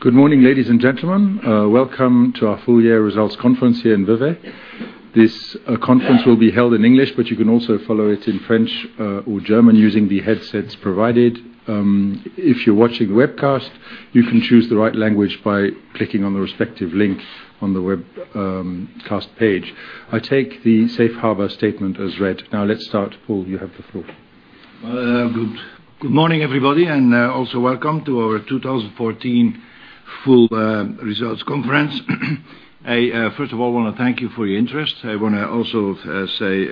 Good morning, ladies and gentlemen. Welcome to our full year results conference here in Vevey. This conference will be held in English, but you can also follow it in French or German using the headsets provided. If you're watching the webcast, you can choose the right language by clicking on the respective link on the webcast page. I take the safe harbor statement as read. Let's start. Paul, you have the floor. Good morning, everybody, welcome to our 2014 full results conference. I, first of all, want to thank you for your interest. I want to also say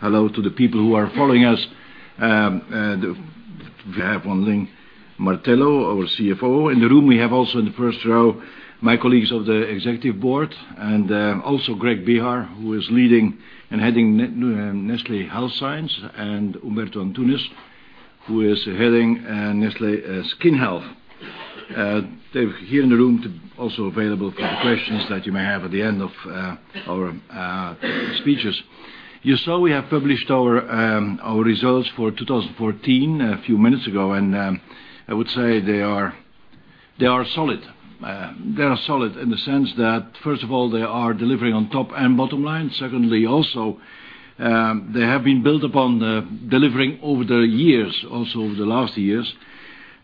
hello to the people who are following us. We have Wan Ling Martello, our CFO. In the room, we have also in the first row, my colleagues of the executive board, Greg Behar, who is leading and heading Nestlé Health Science, and Humberto Antunes, who is heading Nestlé Skin Health. They're here in the room, also available for any questions that you may have at the end of our speeches. You saw we have published our results for 2014 a few minutes ago. I would say they are solid. They are solid in the sense that, first of all, they are delivering on top and bottom line. Secondly, also, they have been built upon delivering over the years, also over the last years.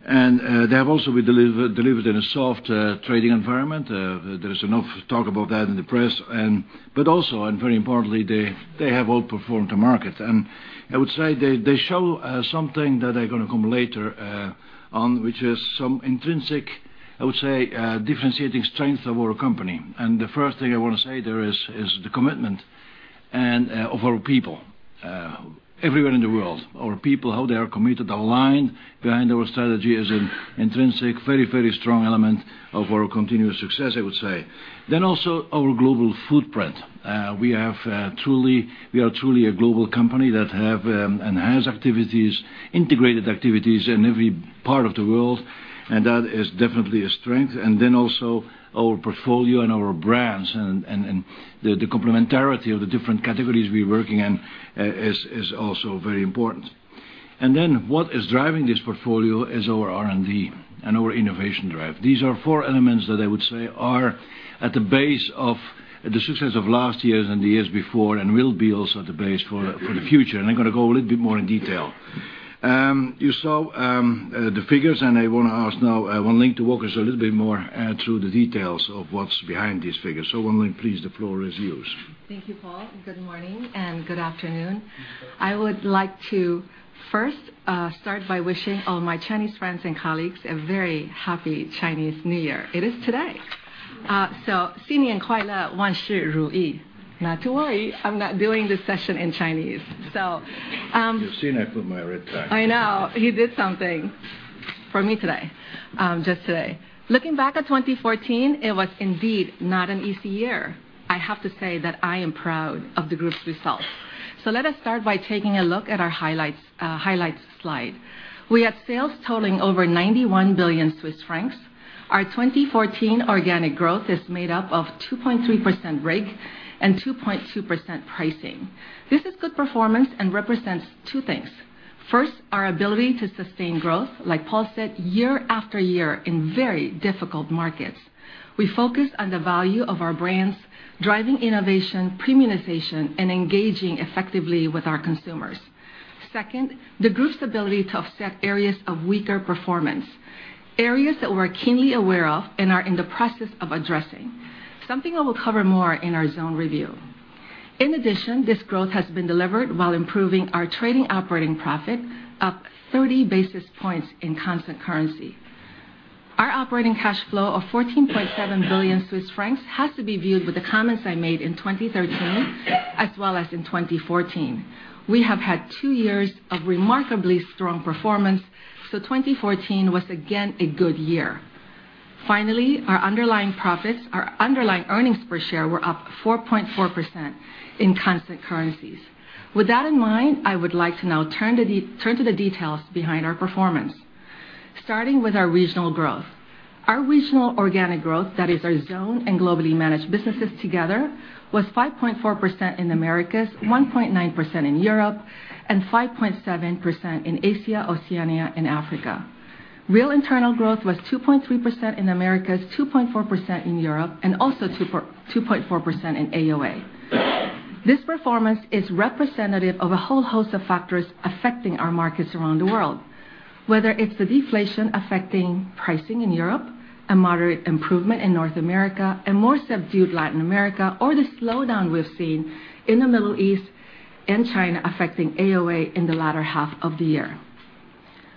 They have also delivered in a soft trading environment. There is enough talk about that in the press. Also, very importantly, they have outperformed the market. I would say they show something that I'm going to come later on, which is some intrinsic, I would say, differentiating strengths of our company. The first thing I want to say there is the commitment of our people everywhere in the world. Our people, how they are committed, aligned behind our strategy is an intrinsic, very strong element of our continuous success, I would say. Also our global footprint. We are truly a global company that has integrated activities in every part of the world, and that is definitely a strength. Also our portfolio and our brands and the complementarity of the different categories we're working in is also very important. What is driving this portfolio is our R&D and our innovation drive. These are four elements that I would say are at the base of the success of last years and the years before and will be also at the base for the future. I'm going to go a little bit more in detail. You saw the figures. I want to ask now Wan Ling to walk us a little bit more through the details of what's behind these figures. Wan Ling, please, the floor is yours. Thank you, Paul. Good morning and good afternoon. I would like to first start by wishing all my Chinese friends and colleagues a very happy Chinese New Year. It is today. Not to worry, I'm not doing this session in Chinese. You've seen I put my red tie. I know. He did something for me today. Just today. Looking back at 2014, it was indeed not an easy year. I have to say that I am proud of the group's results. Let us start by taking a look at our highlights slide. We had sales totaling over 91 billion Swiss francs. Our 2014 organic growth is made up of 2.3% RIG and 2.2% pricing. This is good performance and represents two things. First, our ability to sustain growth, like Paul said, year after year in very difficult markets. We focus on the value of our brands, driving innovation, premiumization, and engaging effectively with our consumers. Second, the group's ability to offset areas of weaker performance, areas that we're keenly aware of and are in the process of addressing, something I will cover more in our Zone review. In addition, this growth has been delivered while improving our trading operating profit up 30 basis points in constant currency. Our operating cash flow of 14.7 billion Swiss francs has to be viewed with the comments I made in 2013 as well as in 2014. We have had two years of remarkably strong performance. 2014 was again a good year. Finally, our underlying profits, our underlying earnings per share were up 4.4% in constant currencies. With that in mind, I would like to now turn to the details behind our performance. Starting with our regional growth. Our regional organic growth, that is our Zone and globally managed businesses together, was 5.4% in Americas, 1.9% in Europe, and 5.7% in Asia, Oceania, and Africa. Real internal growth was 2.3% in Americas, 2.4% in Europe, and also 2.4% in AOA. This performance is representative of a whole host of factors affecting our markets around the world, whether it's the deflation affecting pricing in Europe, a moderate improvement in North America, a more subdued Latin America, or the slowdown we've seen in the Middle East and China affecting AOA in the latter half of the year.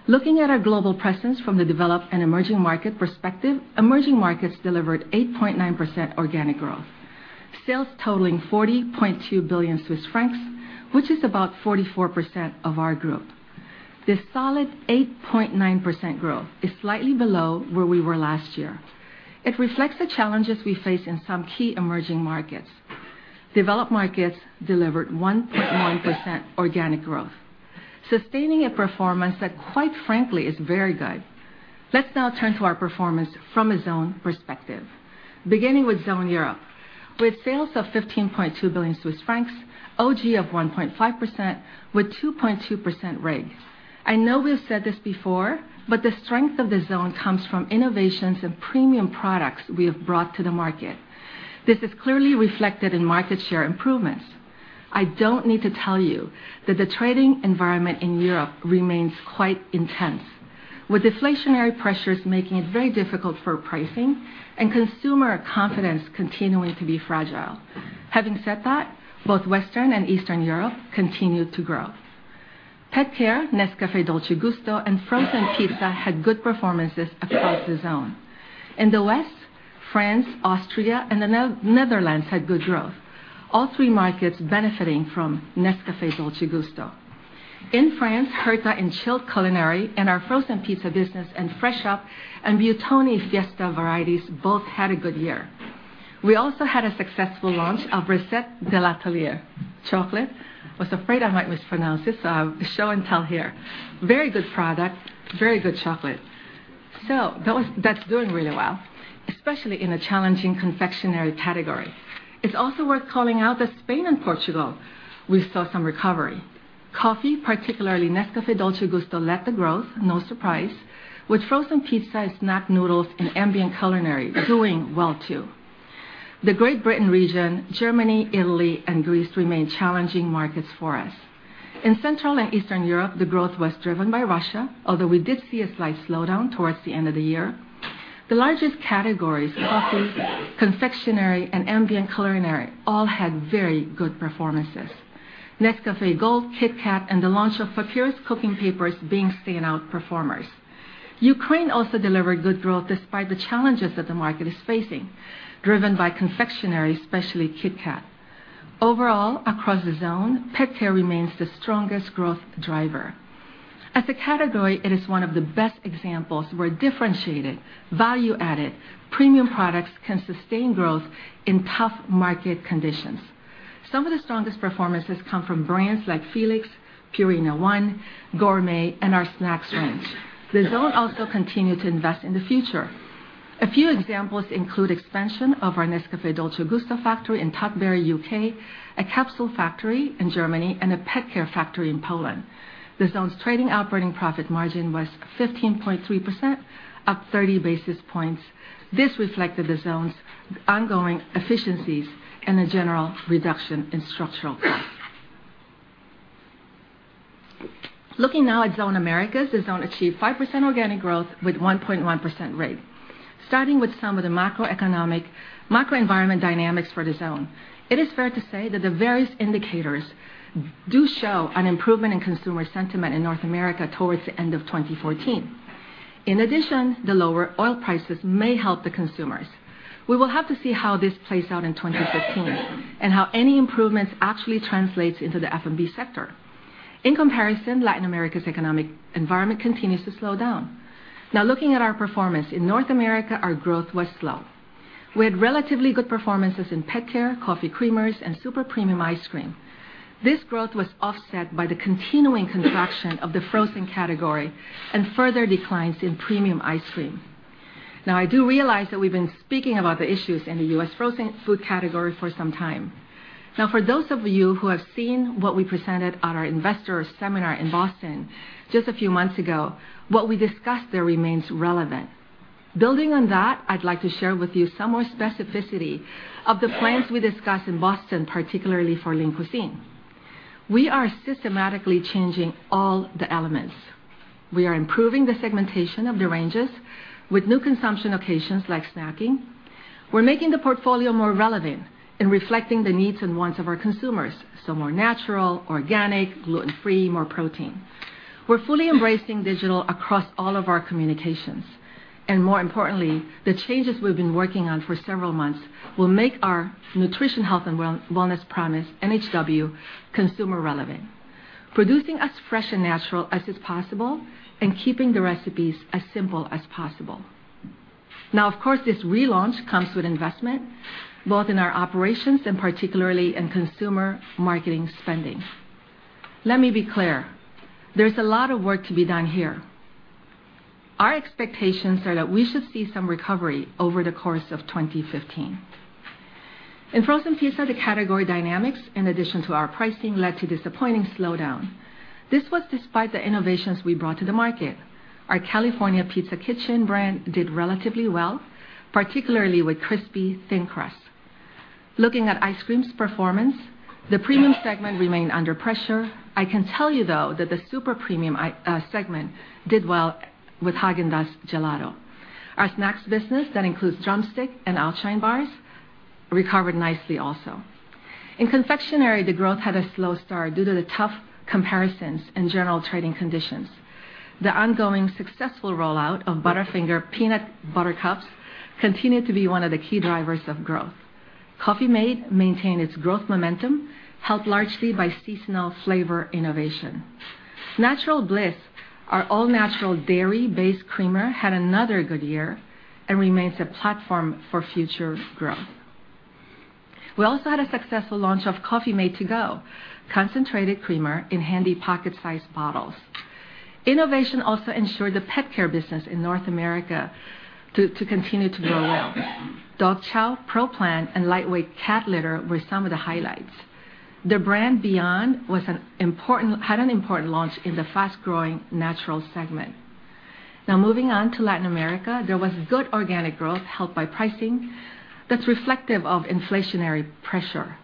Looking at our global presence from the developed and emerging market perspective, emerging markets delivered 8.9% organic growth, sales totaling 40.2 billion Swiss francs, which is about 44% of our group. This solid 8.9% growth is slightly below where we were last year. It reflects the challenges we face in some key emerging markets. Developed markets delivered 1.1% organic growth, sustaining a performance that quite frankly is very good. Let's now turn to our performance from a zone perspective. Beginning with Zone Europe, with sales of 15.2 billion Swiss francs, OG of 1.5% with 2.2% RIG. I know we've said this before, but the strength of the zone comes from innovations and premium products we have brought to the market. This is clearly reflected in market share improvements. I don't need to tell you that the trading environment in Europe remains quite intense, with deflationary pressures making it very difficult for pricing and consumer confidence continuing to be fragile. Having said that, both Western and Eastern Europe continued to grow. Pet care, Nescafé Dolce Gusto, and frozen pizza had good performances across the zone. In the West, France, Austria, and the Netherlands had good growth, all three markets benefiting from Nescafé Dolce Gusto. In France, Herta and chilled culinary and our frozen pizza business and Fraîch'Up and Buitoni Fiesta varieties both had a good year. We also had a successful launch of Les Recettes de l'Atelier chocolate. I was afraid I might mispronounce this, so show and tell here. Very good product, very good chocolate. That's doing really well, especially in a challenging confectionery category. It's also worth calling out that Spain and Portugal, we saw some recovery. Coffee, particularly Nescafé Dolce Gusto led the growth, no surprise, with frozen pizza and snack noodles and ambient culinary doing well too. The Great Britain region, Germany, Italy, and Greece remain challenging markets for us. In Central and Eastern Europe, the growth was driven by Russia, although we did see a slight slowdown towards the end of the year. The largest categories, coffee, confectionery, and ambient culinary, all had very good performances. Nescafé Gold, KitKat, and the launch of Maggi Papyrus cooking papers being stand out performers. Ukraine also delivered good growth despite the challenges that the market is facing, driven by confectionery, especially KitKat. Overall, across the zone, pet care remains the strongest growth driver. As a category, it is one of the best examples where differentiated, value-added, premium products can sustain growth in tough market conditions. Some of the strongest performances come from brands like Felix, Purina ONE, Gourmet, and our snacks range. The zone also continued to invest in the future. A few examples include expansion of our Nescafé Dolce Gusto factory in Tutbury, U.K., a capsule factory in Germany, and a pet care factory in Poland. The zone's trading operating profit margin was 15.3%, up 30 basis points. This reflected the zone's ongoing efficiencies and a general reduction in structural costs. Looking now at Zone Americas, the zone achieved 5% organic growth with 1.1% RIG. Starting with some of the macroenvironment dynamics for the Zone, it is fair to say that the various indicators do show an improvement in consumer sentiment in North America towards the end of 2014. In addition, the lower oil prices may help the consumers. We will have to see how this plays out in 2015, and how any improvements actually translates into the F&B sector. In comparison, Latin America's economic environment continues to slow down. Looking at our performance in North America, our growth was slow. We had relatively good performances in pet care, coffee creamers, and super premium ice cream. This growth was offset by the continuing contraction of the frozen category and further declines in premium ice cream. I do realize that we've been speaking about the issues in the U.S. frozen food category for some time. For those of you who have seen what we presented at our investor seminar in Boston just a few months ago, what we discussed there remains relevant. Building on that, I'd like to share with you some more specificity of the plans we discussed in Boston, particularly for Lean Cuisine. We are systematically changing all the elements. We are improving the segmentation of the ranges with new consumption occasions like snacking. We're making the portfolio more relevant in reflecting the needs and wants of our consumers, so more natural, organic, gluten-free, more protein. We're fully embracing digital across all of our communications. More importantly, the changes we've been working on for several months will make our nutrition, health, and wellness promise, NHW, consumer relevant, producing as fresh and natural as is possible and keeping the recipes as simple as possible. Of course, this relaunch comes with investment, both in our operations and particularly in consumer marketing spending. Let me be clear, there's a lot of work to be done here. Our expectations are that we should see some recovery over the course of 2015. In frozen pizza, the category dynamics in addition to our pricing led to disappointing slowdown. This was despite the innovations we brought to the market. Our California Pizza Kitchen brand did relatively well, particularly with crispy thin crust. Looking at ice cream's performance, the premium segment remained under pressure. I can tell you, though, that the super premium segment did well with Häagen-Dazs Gelato. Our snacks business that includes Drumstick and Outshine bars recovered nicely also. In confectionery, the growth had a slow start due to the tough comparisons and general trading conditions. The ongoing successful rollout of Butterfinger Peanut Butter Cups continued to be one of the key drivers of growth. Coffee-mate maintained its growth momentum, helped largely by seasonal flavor innovation. Natural Bliss, our all-natural dairy-based creamer, had another good year and remains a platform for future growth. We also had a successful launch of Coffee-mate 2Go, concentrated creamer in handy pocket-sized bottles. Innovation also ensured the pet care business in North America to continue to grow well. Dog Chow, Pro Plan, and lightweight cat litter were some of the highlights. The brand Beyond had an important launch in the fast-growing natural segment. Moving on to Latin America, there was good organic growth helped by pricing that's reflective of inflationary pressure.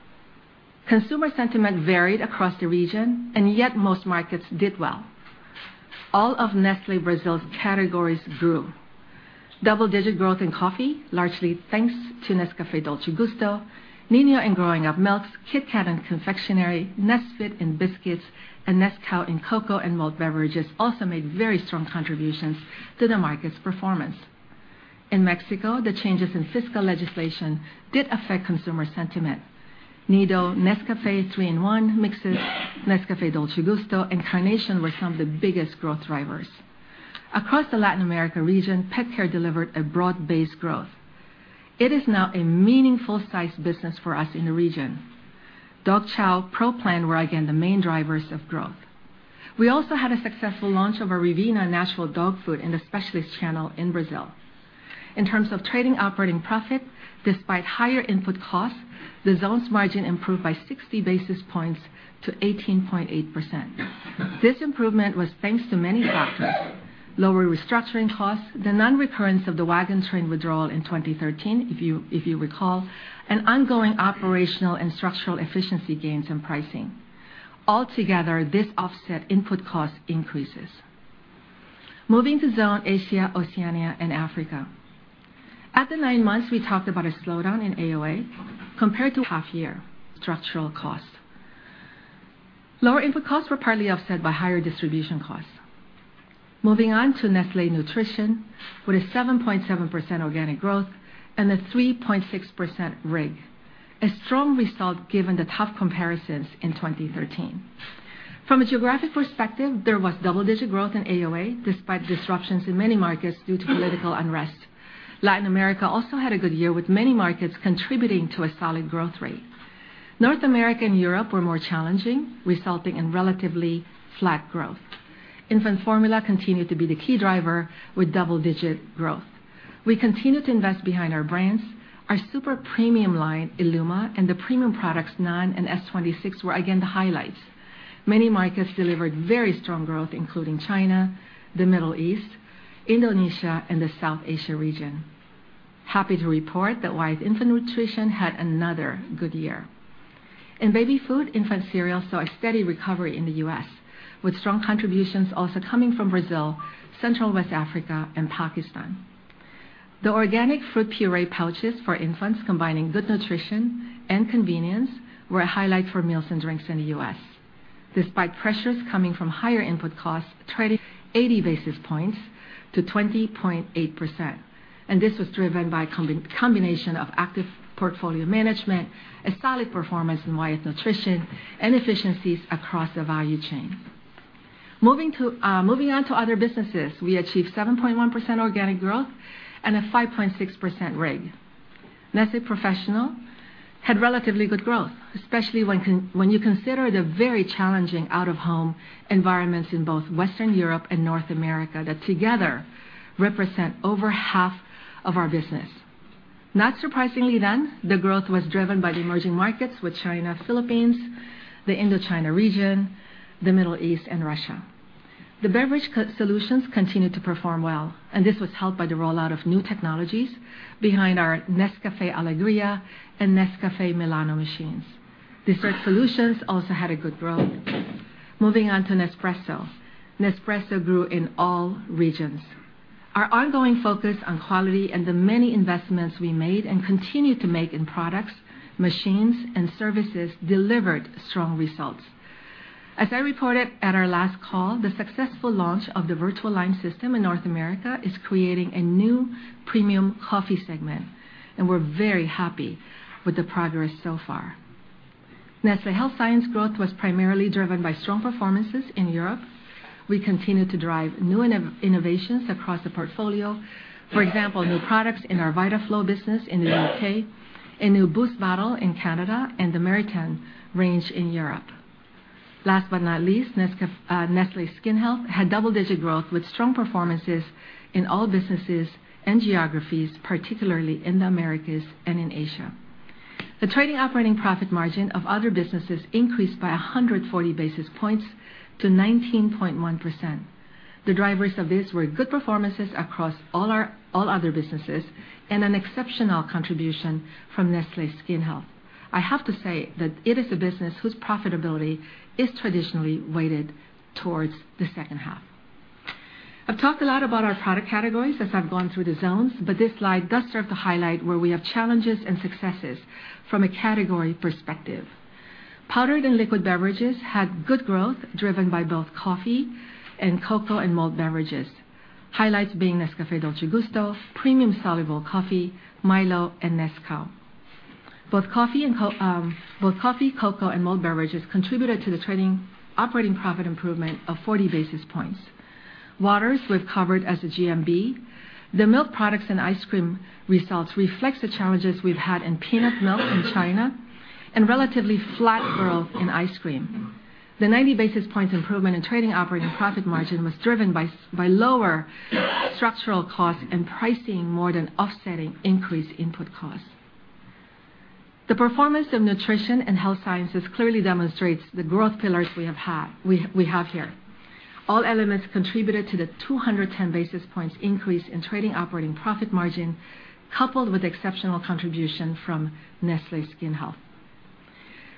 Consumer sentiment varied across the region, yet most markets did well. All of Nestlé Brasil's categories grew. Double-digit growth in coffee, largely thanks to Nescafé Dolce Gusto, Ninho and Growing Up milks, Kit Kat and confectionery, Nesfit and biscuits, and NESCAU and cocoa and malt beverages also made very strong contributions to the market's performance. In Mexico, the changes in fiscal legislation did affect consumer sentiment. NIDO, Nescafé 3 in 1 mixes, Nescafé Dolce Gusto, and Carnation were some of the biggest growth drivers. Across the Latin America region, pet care delivered a broad-based growth. It is now a meaningful size business for us in the region. Dog Chow, Pro Plan, were again the main drivers of growth. We also had a successful launch of our Revena natural dog food in the specialist channel in Brazil. In terms of trading operating profit, despite higher input costs, the zone's margin improved by 60 basis points to 18.8%. This improvement was thanks to many factors: lower restructuring costs, the non-recurrence of the Waggin' Train withdrawal in 2013, if you recall, and ongoing operational and structural efficiency gains and pricing. Altogether, this offset input cost increases. Moving to zone Asia, Oceania, and Africa. At the 9 months, we talked about a slowdown in AOA compared to half year structural costs. Lower input costs were partly offset by higher distribution costs. Moving on to Nestlé Nutrition, with a 7.7% organic growth and a 3.6% RIG. A strong result given the tough comparisons in 2013. From a geographic perspective, there was double-digit growth in AOA, despite disruptions in many markets due to political unrest. Latin America also had a good year with many markets contributing to a solid growth rate. North America and Europe were more challenging, resulting in relatively flat growth. Infant formula continued to be the key driver with double-digit growth. We continue to invest behind our brands. Our super premium line, illuma, and the premium products NAN and S-26 were again the highlights. Many markets delivered very strong growth, including China, the Middle East, Indonesia, and the South Asia region. Happy to report that Wyeth Nutrition had another good year. In baby food, infant cereal saw a steady recovery in the U.S., with strong contributions also coming from Brazil, Central West Africa, and Pakistan. The organic fruit puree pouches for infants combining good nutrition and convenience were a highlight for meals and drinks in the U.S. Despite pressures coming from higher input costs, trading 80 basis points to 20.8%. This was driven by a combination of active portfolio management, a solid performance in Wyeth Nutrition, and efficiencies across the value chain. Moving on to other businesses, we achieved 7.1% organic growth and a 5.6% RIG. Nestlé Professional had relatively good growth, especially when you consider the very challenging out-of-home environments in both Western Europe and North America that together represent over half of our business. Not surprisingly then, the growth was driven by the emerging markets with China, Philippines, the Indochina region, the Middle East, and Russia. The beverage solutions continued to perform well, and this was helped by the rollout of new technologies behind our Nescafé Alegria and Nescafé Milano machines. Dessert solutions also had a good growth. Moving on to Nespresso. Nespresso grew in all regions. Our ongoing focus on quality and the many investments we made and continue to make in products, machines, and services delivered strong results. As I reported at our last call, the successful launch of the VertuoLine system in North America is creating a new premium coffee segment, and we're very happy with the progress so far. Nestlé Health Science growth was primarily driven by strong performances in Europe. We continue to drive new innovations across the portfolio. For example, new products in our Vitaflo business in the U.K., a new Boost bottle in Canada, and the Meritene range in Europe. Last but not least, Nestlé Skin Health had double-digit growth with strong performances in all businesses and geographies, particularly in the Americas and in Asia. The trading operating profit margin of other businesses increased by 140 basis points to 19.1%. The drivers of this were good performances across all other businesses and an exceptional contribution from Nestlé Skin Health. I have to say that it is a business whose profitability is traditionally weighted towards the second half. I've talked a lot about our product categories as I've gone through the zones, but this slide does serve to highlight where we have challenges and successes from a category perspective. Powdered and liquid beverages had good growth driven by both coffee and cocoa and malt beverages. Highlights being Nescafé Dolce Gusto, Premium Soluble Coffee, Milo, and NESCAU. Both coffee, cocoa, and malt beverages contributed to the trading operating profit improvement of 40 basis points. Waters we've covered as a GMB. The milk products and ice cream results reflects the challenges we've had in peanut milk in China, and relatively flat growth in ice cream. The 90 basis points improvement in trading operating profit margin was driven by lower structural costs and pricing more than offsetting increased input costs. The performance of nutrition and health sciences clearly demonstrates the growth pillars we have here. All elements contributed to the 210 basis points increase in trading operating profit margin, coupled with exceptional contribution from Nestlé Skin Health.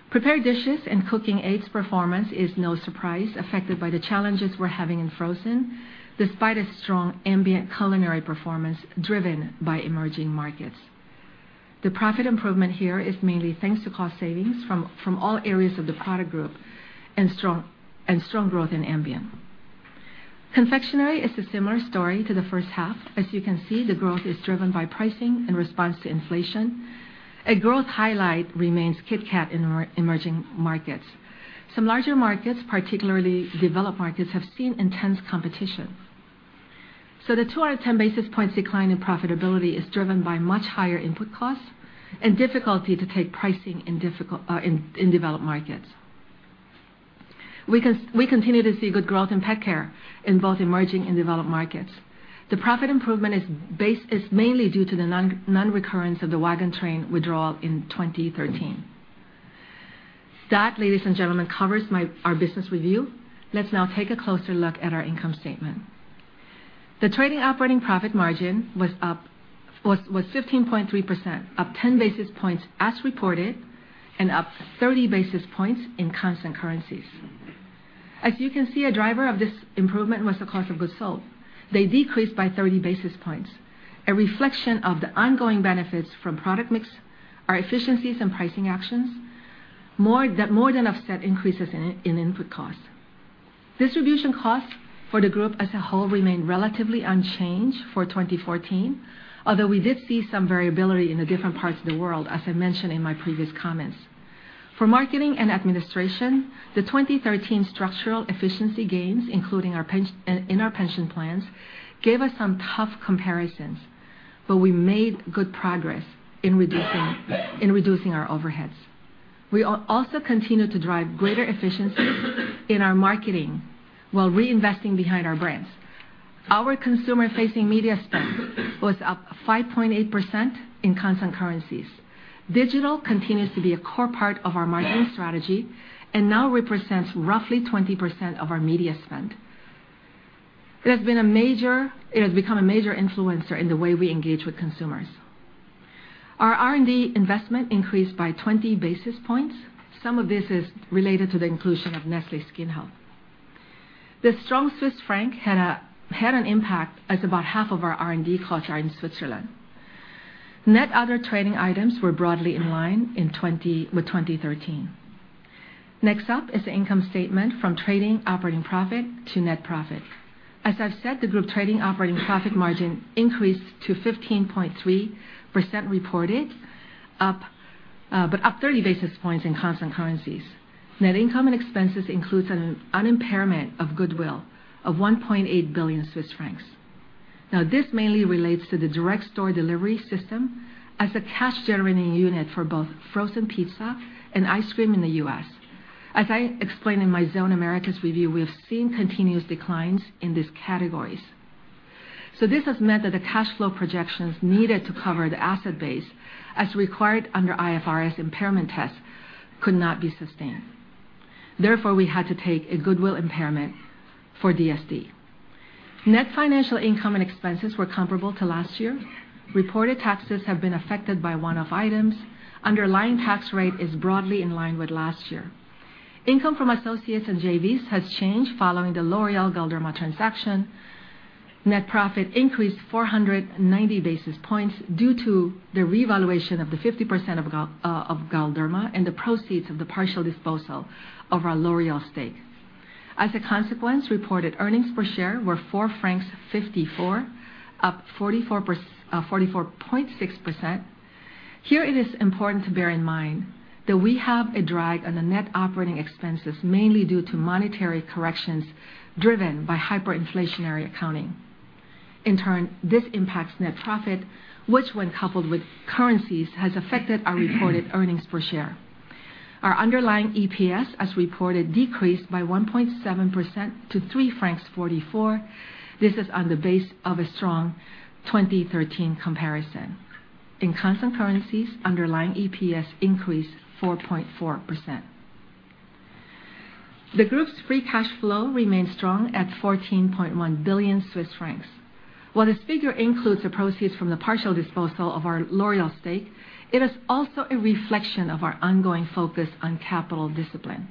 Prepared dishes and cooking aids performance is no surprise, affected by the challenges we're having in frozen, despite a strong ambient culinary performance driven by emerging markets. The profit improvement here is mainly thanks to cost savings from all areas of the product group, and strong growth in ambient. Confectionery is a similar story to the first half. As you can see, the growth is driven by pricing in response to inflation. A growth highlight remains KitKat in emerging markets. Some larger markets, particularly developed markets, have seen intense competition. The 210 basis points decline in profitability is driven by much higher input costs and difficulty to take pricing in developed markets. We continue to see good growth in pet care in both emerging and developed markets. The profit improvement is mainly due to the non-recurrence of the Waggin' Train withdrawal in 2013. That, ladies and gentlemen, covers our business review. Let's now take a closer look at our income statement. The trading operating profit margin was 15.3%, up 10 basis points as reported, and up 30 basis points in constant currencies. As you can see, a driver of this improvement was the cost of goods sold. They decreased by 30 basis points, a reflection of the ongoing benefits from product mix, our efficiencies and pricing actions, that more than offset increases in input costs. Distribution costs for the group as a whole remained relatively unchanged for 2014, although we did see some variability in the different parts of the world, as I mentioned in my previous comments. For marketing and administration, the 2013 structural efficiency gains, including in our pension plans, gave us some tough comparisons, but we made good progress in reducing our overheads. We also continued to drive greater efficiencies in our marketing while reinvesting behind our brands. Our consumer-facing media spend was up 5.8% in constant currencies. Digital continues to be a core part of our marketing strategy and now represents roughly 20% of our media spend. It has become a major influencer in the way we engage with consumers. Our R&D investment increased by 20 basis points. Some of this is related to the inclusion of Nestlé Skin Health. The strong Swiss franc had an impact, as about half of our R&D costs are in Switzerland. Net other trading items were broadly in line with 2013. Next up is the income statement from trading operating profit to net profit. As I've said, the group trading operating profit margin increased to 15.3% reported, but up 30 basis points in constant currencies. Net income and expenses includes an impairment of goodwill of 1.8 billion Swiss francs. Now, this mainly relates to the direct store delivery system as a cash-generating unit for both frozen pizza and ice cream in the U.S. As I explained in my Zone Americas review, we have seen continuous declines in these categories. This has meant that the cash flow projections needed to cover the asset base, as required under IFRS impairment tests, could not be sustained. Therefore, we had to take a goodwill impairment for DSD. Net financial income and expenses were comparable to last year. Reported taxes have been affected by one-off items. Underlying tax rate is broadly in line with last year. Income from associates and JVs has changed following the L'Oréal-Galderma transaction. Net profit increased 490 basis points due to the revaluation of the 50% of Galderma and the proceeds of the partial disposal of our L'Oréal stake. As a consequence, reported EPS were 4.54 francs, up 44.6%. Here it is important to bear in mind that we have a drag on the net operating expenses, mainly due to monetary corrections driven by hyperinflationary accounting. In turn, this impacts net profit, which when coupled with currencies, has affected our reported EPS. Our underlying EPS, as reported, decreased by 1.7% to 3.44 francs. This is on the base of a strong 2013 comparison. In constant currencies, underlying EPS increased 4.4%. The group's free cash flow remained strong at 14.1 billion Swiss francs. While this figure includes the proceeds from the partial disposal of our L'Oréal stake, it is also a reflection of our ongoing focus on capital discipline,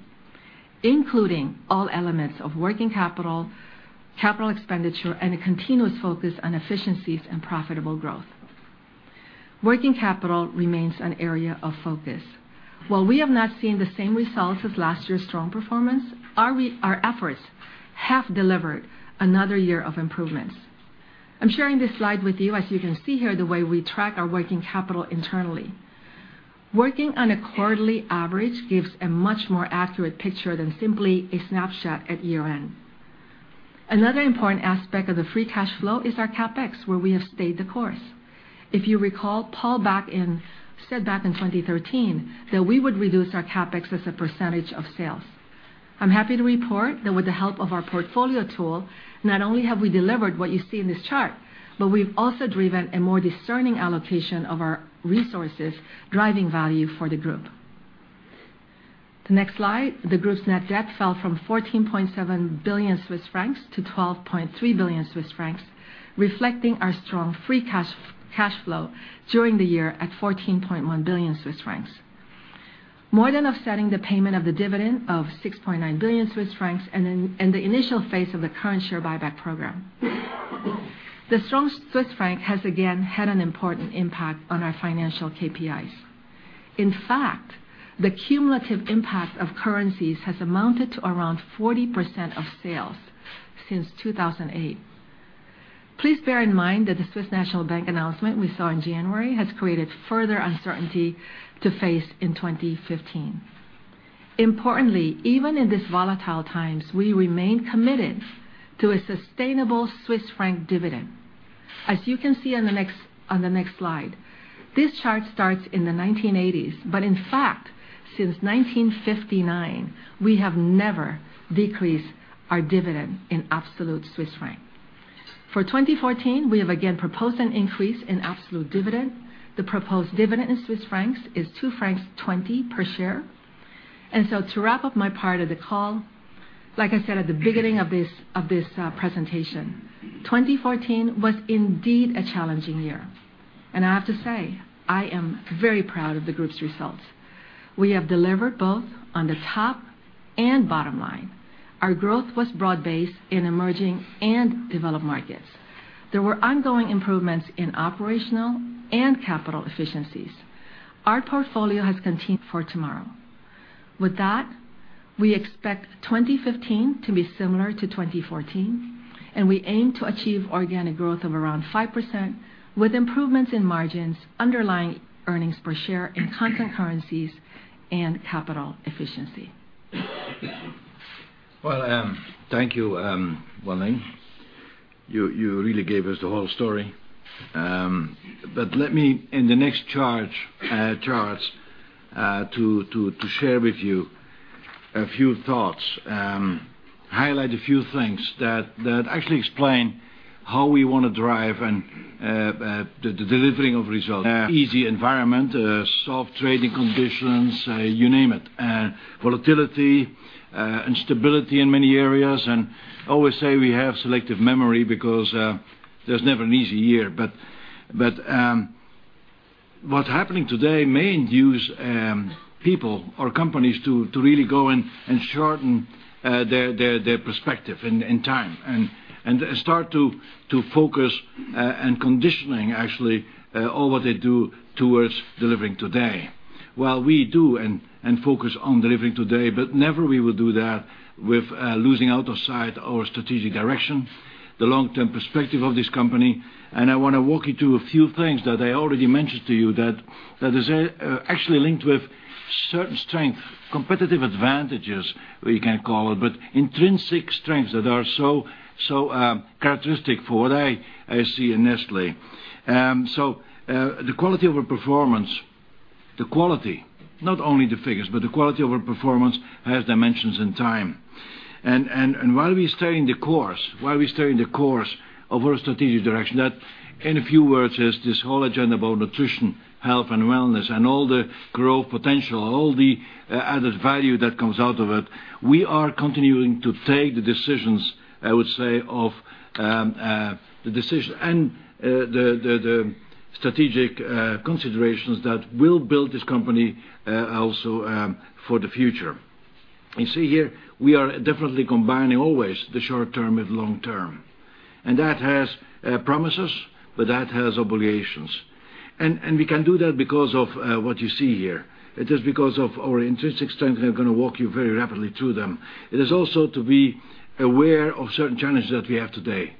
including all elements of working capital, CapEx, and a continuous focus on efficiencies and profitable growth. Working capital remains an area of focus. While we have not seen the same results as last year's strong performance, our efforts have delivered another year of improvements. I'm sharing this slide with you. As you can see here, the way we track our working capital internally. Working on a quarterly average gives a much more accurate picture than simply a snapshot at year-end. Another important aspect of the free cash flow is our CapEx, where we have stayed the course. If you recall, Paul said back in 2013 that we would reduce our CapEx as a percentage of sales. I'm happy to report that with the help of our portfolio tool, not only have we delivered what you see in this chart, but we've also driven a more discerning allocation of our resources, driving value for the group. The next slide. The group's net debt fell from 14.7 billion Swiss francs to 12.3 billion Swiss francs, reflecting our strong free cash flow during the year at 14.1 billion Swiss francs. More than offsetting the payment of the dividend of 6.9 billion Swiss francs and the initial phase of the current share buyback program. The strong Swiss franc has again had an important impact on our financial KPIs. In fact, the cumulative impact of currencies has amounted to around 40% of sales since 2008. Please bear in mind that the Swiss National Bank announcement we saw in January has created further uncertainty to face in 2015. Importantly, even in these volatile times, we remain committed to a sustainable Swiss franc dividend. As you can see on the next slide, this chart starts in the 1980s, but in fact, since 1959, we have never decreased our dividend in absolute Swiss franc. For 2014, we have again proposed an increase in absolute dividend. The proposed dividend is 2.20 francs per share. To wrap up my part of the call, like I said at the beginning of this presentation, 2014 was indeed a challenging year, and I have to say, I am very proud of the group's results. We have delivered both on the top and bottom line. Our growth was broad-based in emerging and developed markets. There were ongoing improvements in operational and capital efficiencies. Our portfolio has continued for tomorrow. With that, we expect 2015 to be similar to 2014, and we aim to achieve organic growth of around 5% with improvements in margins, underlying EPS in constant currencies and capital efficiency. Well, thank you, Wan Ling. You really gave us the whole story. Let me, in the next charts, to share with you a few thoughts, highlight a few things that actually explain how we want to drive the delivering of results. Easy environment, soft trading conditions, you name it. Volatility, instability in many areas, and always say we have selective memory because there's never an easy year. What's happening today may induce people or companies to really go and shorten their perspective and time and start to focus and conditioning, actually, all what they do towards delivering today. While we do and focus on delivering today, but never we would do that with losing out of sight our strategic direction, the long-term perspective of this company. I want to walk you through a few things that I already mentioned to you that is actually linked with certain strengths, competitive advantages, we can call it, but intrinsic strengths that are so characteristic for what I see in Nestlé. The quality of our performance, the quality, not only the figures, but the quality of our performance has dimensions and time. While we stay in the course of our strategic direction, that, in a few words, is this whole agenda about nutrition, health and wellness, and all the growth potential, all the added value that comes out of it. We are continuing to take the decisions, I would say, of the decision and the strategic considerations that will build this company also for the future. You see here, we are definitely combining always the short term with long term, and that has promises, but that has obligations. We can do that because of what you see here. It is because of our intrinsic strengths, and I'm going to walk you very rapidly through them. It is also to be aware of certain challenges that we have today.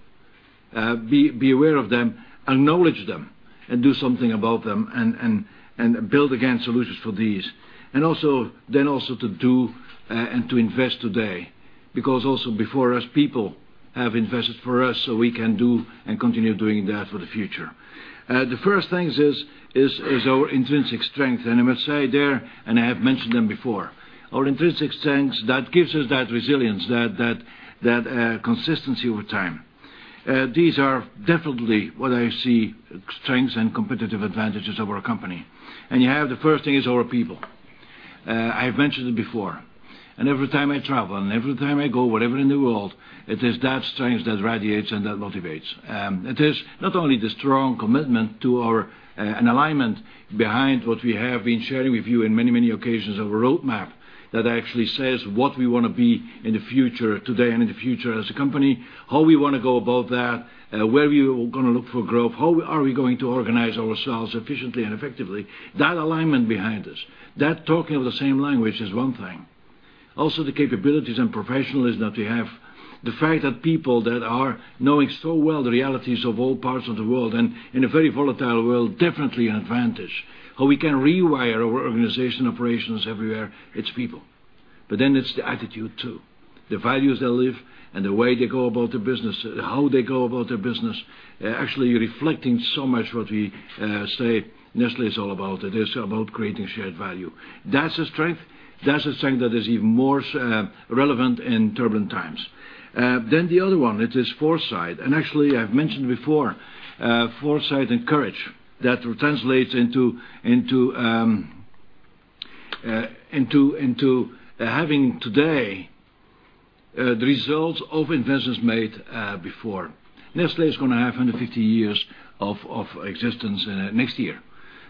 Be aware of them, acknowledge them, and do something about them, and build again solutions for these. Then also to do and to invest today, because also before us, people have invested for us, so we can do and continue doing that for the future. The first thing is our intrinsic strength, and I must say there, I have mentioned them before. Our intrinsic strengths, that give us that resilience, that consistency over time. These are definitely what I see strengths and competitive advantages of our company. You have the first thing is our people. I've mentioned it before, and every time I travel and every time I go wherever in the world, it is that strength that radiates and that motivates. It is not only the strong commitment to an alignment behind what we have been sharing with you in many occasions of a roadmap that actually says what we want to be today and in the future as a company. How we want to go about that, where we are going to look for growth? How are we going to organize ourselves efficiently and effectively? That alignment behind us, that talking the same language is one thing. The capabilities and professionalism that we have, the fact that people that are knowing so well the realities of all parts of the world, and in a very volatile world, definitely an advantage. How we can rewire our organization operations everywhere, its people. It's the attitude too, the values they live and the way they go about their business. Actually reflecting so much what we say Nestlé is all about. It is about creating shared value. That's a strength. That's a strength that is even more relevant in turbulent times. The other one, it is foresight. Actually, I've mentioned before, foresight and courage. That translates into having today, the results of investments made before. Nestlé is going to have 150 years of existence next year.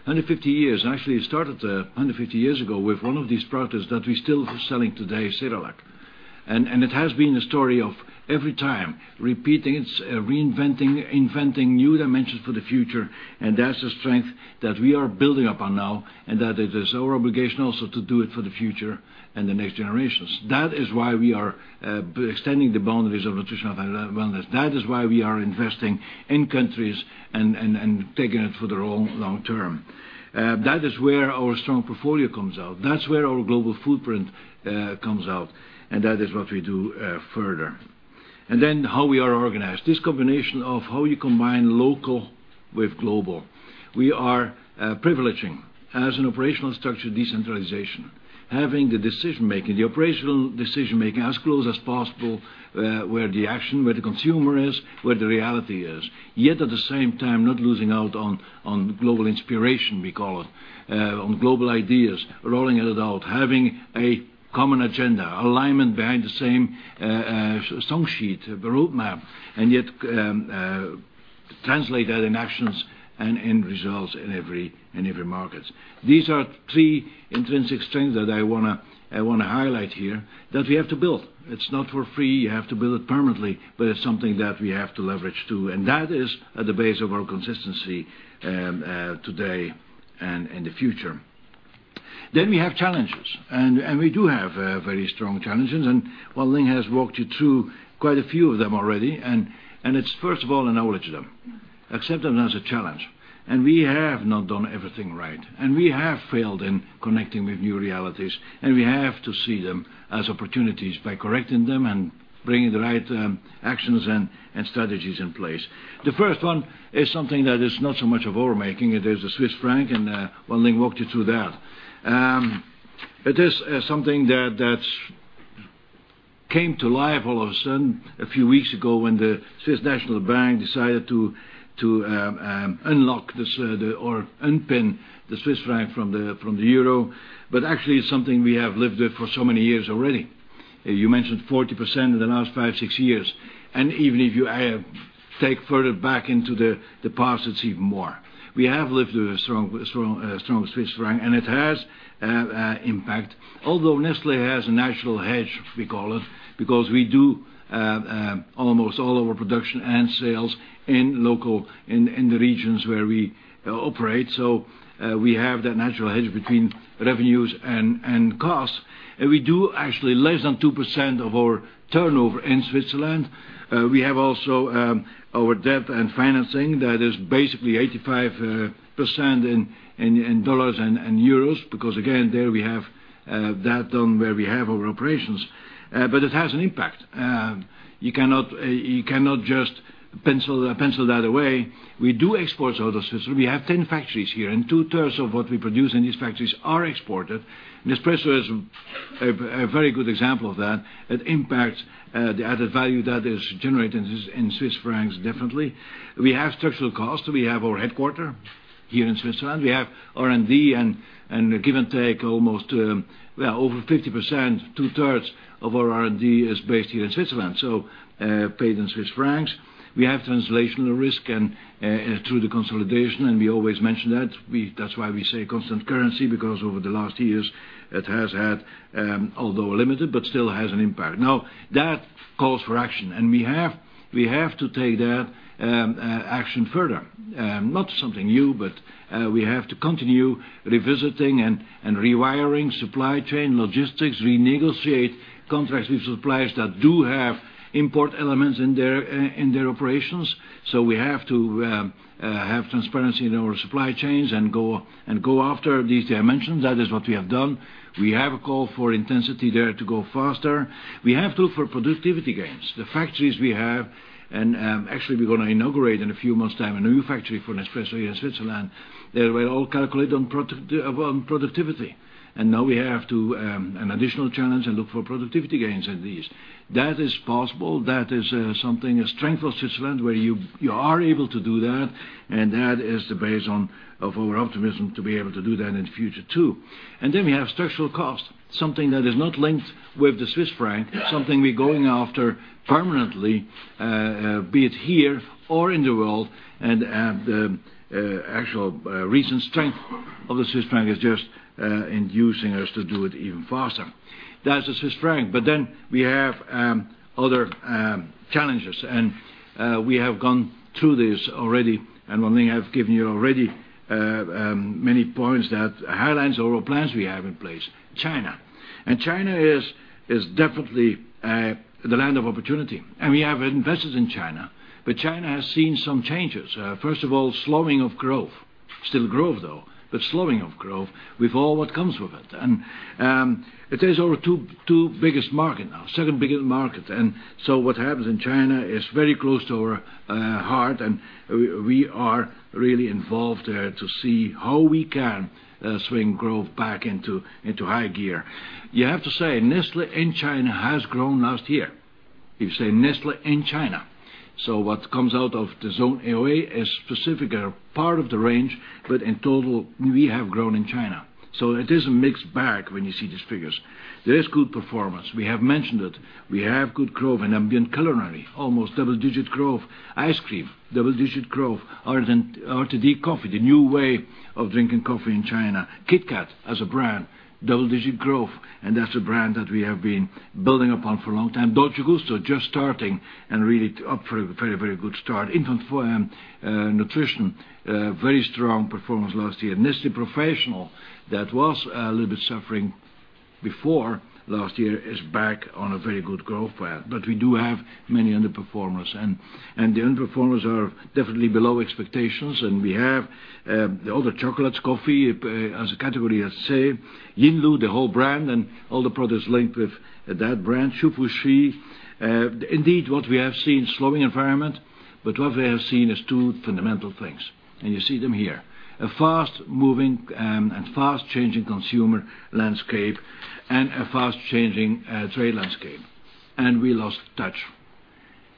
150 years. Actually, it started 150 years ago with one of these products that we're still selling today, Cerelac. It has been a story of every time repeating, reinventing, inventing new dimensions for the future, that's the strength that we are building upon now, that it is our obligation also to do it for the future and the next generations. That is why we are extending the boundaries of nutritional wellness. That is why we are investing in countries and taking it for the long term. That is where our strong portfolio comes out. That's where our global footprint comes out, that is what we do further. How we are organized. This combination of how you combine local with global. We are privileging, as an operational structure, decentralization. Having the operational decision making as close as possible where the action, where the consumer is, where the reality is. At the same time, not losing out on global inspiration, we call it, on global ideas, rolling it out, having a common agenda, alignment behind the same song sheet, the road map, and translate that in actions and in results in every market. These are three intrinsic strengths that I want to highlight here that we have to build. It's not for free. You have to build it permanently, it's something that we have to leverage too. That is at the base of our consistency today and in the future. We have challenges, and we do have very strong challenges. Wan Ling has walked you through quite a few of them already. It's first of all, acknowledge them. Accept them as a challenge. We have not done everything right. We have failed in connecting with new realities, and we have to see them as opportunities by correcting them and bringing the right actions and strategies in place. The first one is something that is not so much of our making. It is the Swiss franc, Wan Ling walked you through that. It is something that came to life all of a sudden a few weeks ago when the Swiss National Bank decided to unlock or unpin the CHF from the EUR, actually is something we have lived with for so many years already. You mentioned 40% in the last five, six years. Even if you take further back into the past, it's even more. We have lived with a strong CHF, it has impact, although Nestlé has a natural hedge, we call it, because we do almost all of our production and sales in the regions where we operate. We have that natural hedge between revenues and costs. We do actually less than 2% of our turnover in Switzerland. We have also our debt and financing that is basically 85% in USD and EUR, because again, there we have that done where we have our operations. It has an impact. You cannot just pencil that away. We do export out of Switzerland. We have 10 factories here, two-thirds of what we produce in these factories are exported. Nespresso is a very good example of that. It impacts the added value that is generated in CHF differently. We have structural costs. We have our headquarter here in Switzerland. We have R&D and give and take almost over 50%, two-thirds of our R&D is based here in Switzerland, so paid in Swiss francs. We have translational risk through the consolidation, and we always mention that. That's why we say constant currency, because over the last years it has had, although limited, but still has an impact. That calls for action, and we have to take that action further. Not something new, but we have to continue revisiting and rewiring supply chain logistics, renegotiate contracts with suppliers that do have import elements in their operations. We have to have transparency in our supply chains and go after these dimensions. That is what we have done. We have a call for intensity there to go faster. We have to for productivity gains. The factories we have, actually we're going to inaugurate in a few months time a new factory for Nespresso here in Switzerland. They were all calculated around productivity. Now we have an additional challenge and look for productivity gains in these. That is possible. That is something, a strength of Switzerland where you are able to do that, and that is the base of our optimism to be able to do that in the future too. We have structural costs, something that is not linked with the Swiss franc, something we're going after permanently, be it here or in the world, and the actual recent strength of the Swiss franc is just inducing us to do it even faster. That's the Swiss franc. We have other challenges, we have gone through this already, and one thing I've given you already, many points that highlights our plans we have in place. China. China is definitely the land of opportunity, and we have invested in China, but China has seen some changes. First of all, slowing of growth Still growth though, but slowing of growth with all what comes with it. It is our two biggest market now, second biggest market. What happens in China is very close to our heart, and we are really involved there to see how we can swing growth back into high gear. You have to say, Nestlé in China has grown last year. If you say Nestlé in China. What comes out of the Zone AOA is specific a part of the range, but in total, we have grown in China. It is a mixed bag when you see these figures. There is good performance. We have mentioned it. We have good growth in ambient culinary, almost double-digit growth. Ice cream, double-digit growth. RTD coffee, the new way of drinking coffee in China. KitKat, as a brand, double-digit growth, and that's a brand that we have been building upon for a long time. Dolce Gusto, just starting and really up for a very good start. Infant nutrition, very strong performance last year. Nestlé Professional, that was a little bit suffering before last year, is back on a very good growth path. We do have many underperformers, and the underperformers are definitely below expectations. We have all the chocolates, coffee, as a category, I say. Yinlu, the whole brand, and all the products linked with that brand, Hsu Fu Chi. What we have seen slowing environment, what we have seen is two fundamental things, and you see them here. A fast moving and fast changing consumer landscape and a fast changing trade landscape. We lost touch.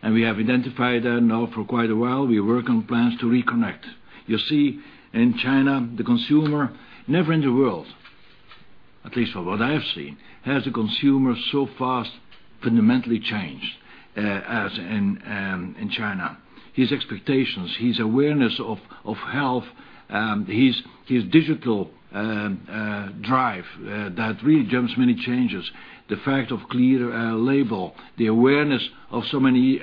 We have identified that now for quite a while. We work on plans to reconnect. You see, in China, the consumer, never in the world, at least from what I have seen, has the consumer so fast fundamentally changed as in China. His expectations, his awareness of health, his digital drive that really jumps many changes. The fact of clear label, the awareness of so many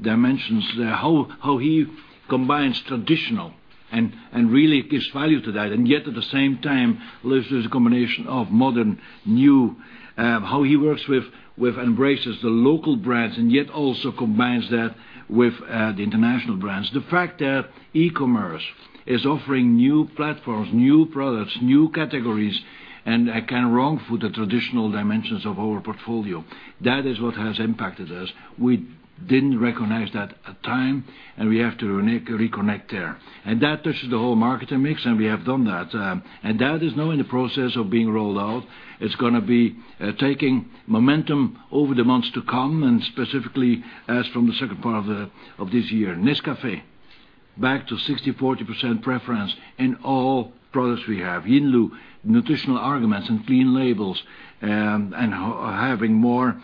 dimensions there. How he combines traditional and really gives value to that, and yet at the same time lives with a combination of modern, new. How he works with, embraces the local brands, and yet also combines that with the international brands. The fact that e-commerce is offering new platforms, new products, new categories, and can wrongfoot the traditional dimensions of our portfolio. That is what has impacted us. We didn't recognize that at time, and we have to reconnect there. That touches the whole marketing mix, and we have done that. That is now in the process of being rolled out. It's going to be taking momentum over the months to come, and specifically as from the second part of this year. Nescafé, back to 60/40% preference in all products we have. Yinlu, nutritional arguments and clean labels, and having more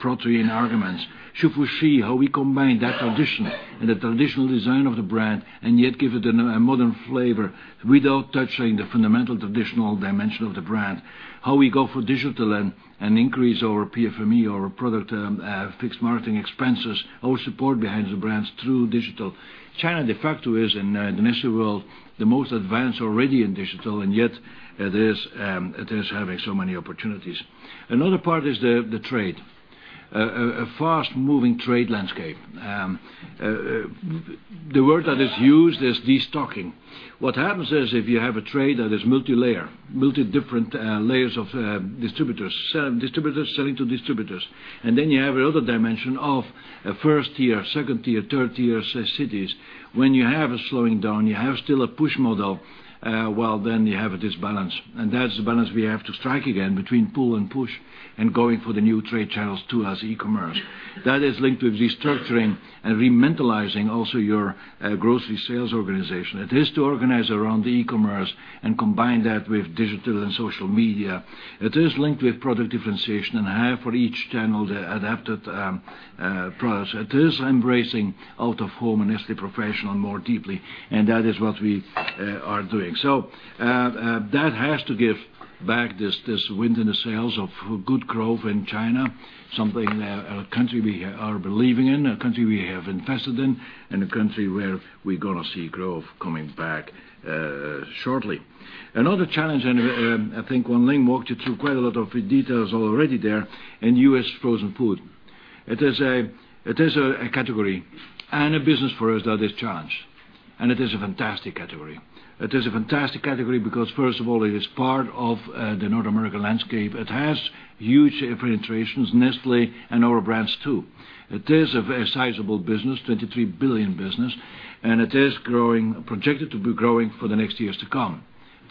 protein arguments. Hsu Fu Chi, how we combine that tradition and the traditional design of the brand, and yet give it a modern flavor without touching the fundamental traditional dimension of the brand. How we go for digital and increase our PFME, our product fixed marketing expenses, our support behind the brands through digital. China, de facto, is in the Nestlé world, the most advanced already in digital, and yet it is having so many opportunities. Another part is the trade. A fast moving trade landscape. The word that is used is destocking. What happens is if you have a trade that is multilayer, multi different layers of distributors selling to distributors. Then you have another dimension of tier 1, tier 2, tier 3 cities. When you have a slowing down, you have still a push model, well then you have a disbalance. That's the balance we have to strike again between pull and push and going for the new trade channels too, as e-commerce. That is linked with restructuring and realigning also your grocery sales organization. It is to organize around the e-commerce and combine that with digital and social media. It is linked with product differentiation and have for each channel the adapted products. It is embracing out of home and Nestlé Professional more deeply, and that is what we are doing. That has to give back this wind in the sails of good growth in China, something, a country we are believing in, a country we have invested in, and a country where we're going to see growth coming back shortly. Another challenge, I think Wan Ling walked you through quite a lot of details already there in U.S. frozen food. It is a category and a business for us that is challenged, and it is a fantastic category. It is a fantastic category because first of all, it is part of the North American landscape. It has huge penetrations, Nestlé and our brands too. It is a very sizable business, 23 billion business, it is projected to be growing for the next years to come,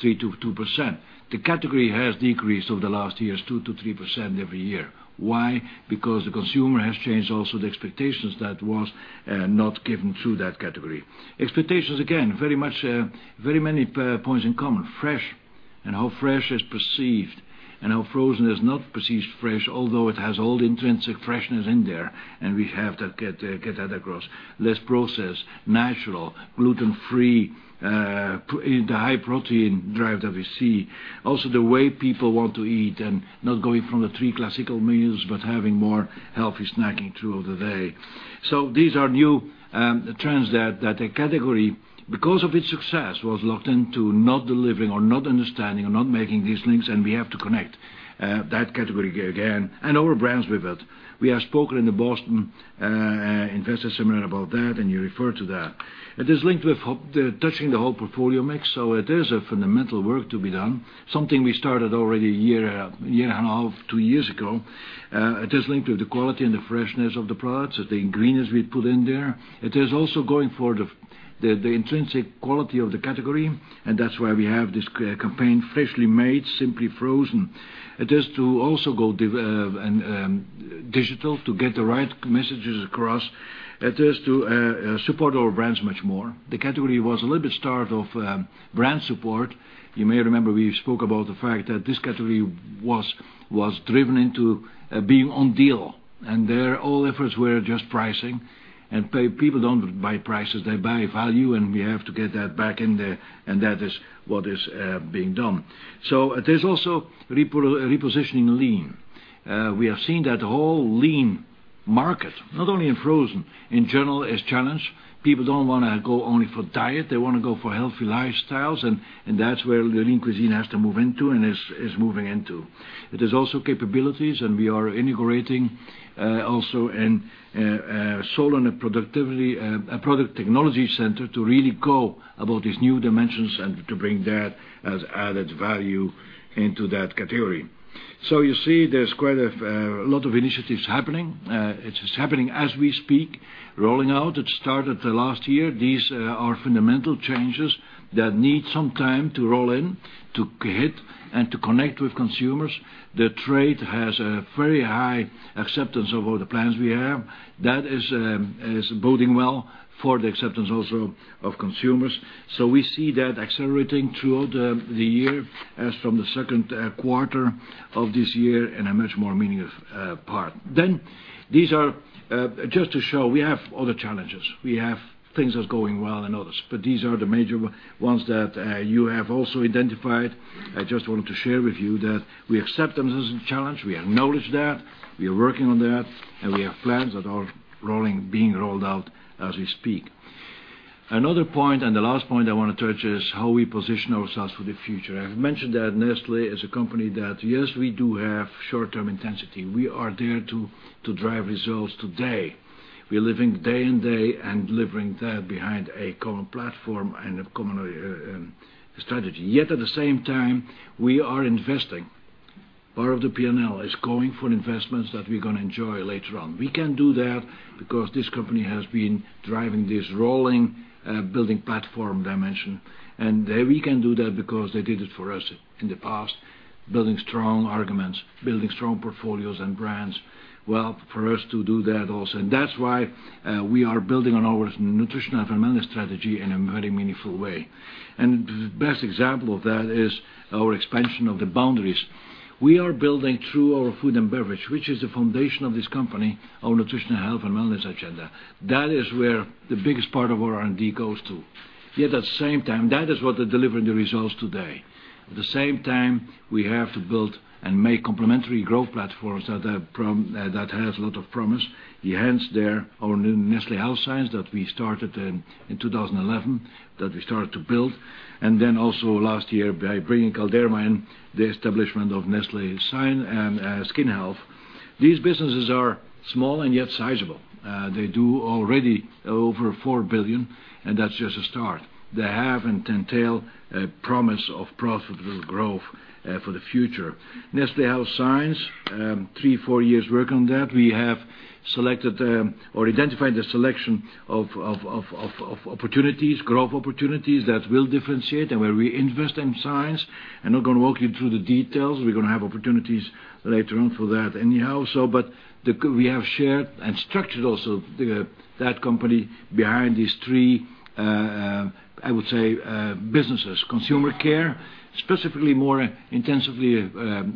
2%-3%. The category has decreased over the last years 2%-3% every year. Why? Because the consumer has changed also the expectations that was not given through that category. Expectations, again, very many points in common. Fresh. How fresh is perceived, and how frozen is not perceived fresh, although it has all the intrinsic freshness in there, and we have to get that across. Less processed, natural, gluten free, the high protein drive that we see. Also the way people want to eat and not going from the three classical meals, but having more healthy snacking throughout the day. These are new trends that a category, because of its success, was locked into not delivering or not understanding or not making these links, and we have to connect that category again and our brands with it. We have spoken in the Boston investor seminar about that, and you referred to that. It is linked with touching the whole portfolio mix, it is a fundamental work to be done, something we started already a year and a half, two years ago. It is linked with the quality and the freshness of the products, the ingredients we put in there. It is also going for the intrinsic quality of the category, and that's why we have this campaign, Freshly Made, Simply Frozen. It is to also go digital to get the right messages across. It is to support our brands much more. The category was a little bit starved of brand support. You may remember we spoke about the fact that this category was driven into being on deal, there all efforts were just pricing. People don't buy prices, they buy value, and we have to get that back in there, and that is what is being done. It is also repositioning Lean. We are seeing that the whole Lean market, not only in frozen, in general is challenged. People don't want to go only for diet, they want to go for healthy lifestyles, and that's where Lean Cuisine has to move into and is moving into. It is also capabilities, and we are integrating also in Solon, a product technology center to really go about these new dimensions and to bring that as added value into that category. You see there's quite a lot of initiatives happening. It is happening as we speak, rolling out. It started last year. These are fundamental changes that need some time to roll in, to hit, and to connect with consumers. The trade has a very high acceptance of all the plans we have. That is boding well for the acceptance also of consumers. We see that accelerating throughout the year as from the second quarter of this year in a much more meaningful part. These are just to show we have other challenges. We have things that's going well and others. These are the major ones that you have also identified. I just wanted to share with you that we accept them as a challenge. We acknowledge that, we are working on that, and we have plans that are being rolled out as we speak. The last point I want to touch is how we position ourselves for the future. I have mentioned that Nestlé is a company that, yes, we do have short-term intensity. We are there to drive results today. We are living day and day and delivering that behind a common platform and a common strategy. Yet at the same time, we are investing. Part of the P&L is going for investments that we are going to enjoy later on. We can do that because this company has been driving this rolling building platform dimension, and we can do that because they did it for us in the past, building strong arguments, building strong portfolios and brands. Well, for us to do that also. That's why we are building on our nutritional health and wellness strategy in a very meaningful way. The best example of that is our expansion of the boundaries. We are building through our food and beverage, which is the foundation of this company, our nutritional health and wellness agenda. That is where the biggest part of our R&D goes to. Yet at the same time, that is what is delivering the results today. At the same time, we have to build and make complementary growth platforms that have a lot of promise. Hence there, our new Nestlé Health Science that we started in 2011, that we started to build. Also last year by bringing Galderma in, the establishment of Nestlé Skin Health. These businesses are small and yet sizable. They do already over $4 billion, and that's just a start. They have and entail promise of profitable growth for the future. Nestlé Health Science, three, four years work on that. We have selected or identified the selection of opportunities, growth opportunities that will differentiate and where we invest in science. I am not going to walk you through the details. We are going to have opportunities later on for that anyhow. We have shared and structured also that company behind these 3, I would say, businesses. Consumer care, specifically more intensively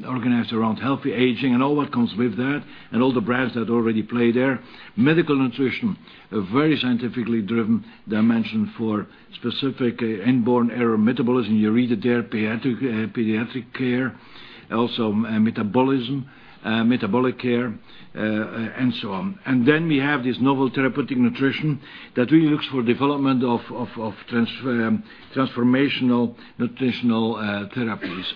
organized around healthy aging and all what comes with that and all the brands that already play there. Medical nutrition, a very scientifically driven dimension for specific inborn error metabolism, you read it there, pediatric care, also metabolism, metabolic care, and so on. We have this novel therapeutic nutrition that really looks for development of transformational nutritional therapies.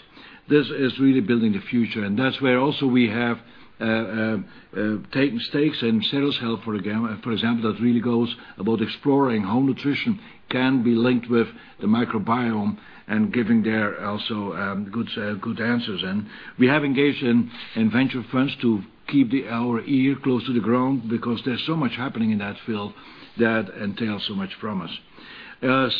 This is really building the future, that's where also we have taken stakes in Seres Health, for example, that really goes about exploring how nutrition can be linked with the microbiome and giving there also good answers in. We have engaged in venture funds to keep our ear close to the ground because there is so much happening in that field that entails so much promise.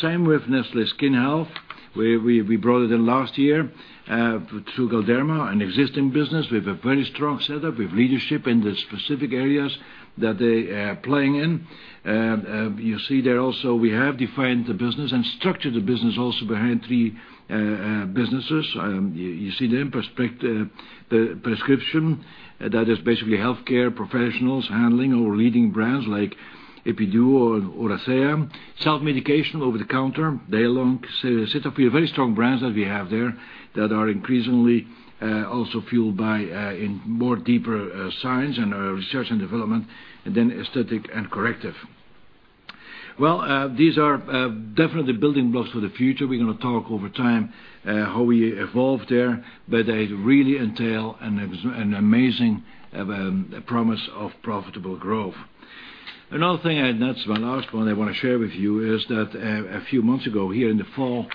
Same with Nestlé Skin Health. We brought it in last year through Galderma, an existing business. We have a very strong setup. We have leadership in the specific areas that they are playing in. You see there also we have defined the business and structured the business also behind 3 businesses. You see them, prescription, that is basically healthcare professionals handling our leading brands like Epiduo or Oracea. Self-medication, over-the-counter, Daylong, Cetaphil. Very strong brands that we have there that are increasingly also fueled by more deeper science and our research and development than aesthetic and corrective. Well, these are definitely building blocks for the future. We're going to talk over time how we evolve there, they really entail an amazing promise of profitable growth. Another thing, that's my last one I want to share with you, is that a few months ago, here in the fall,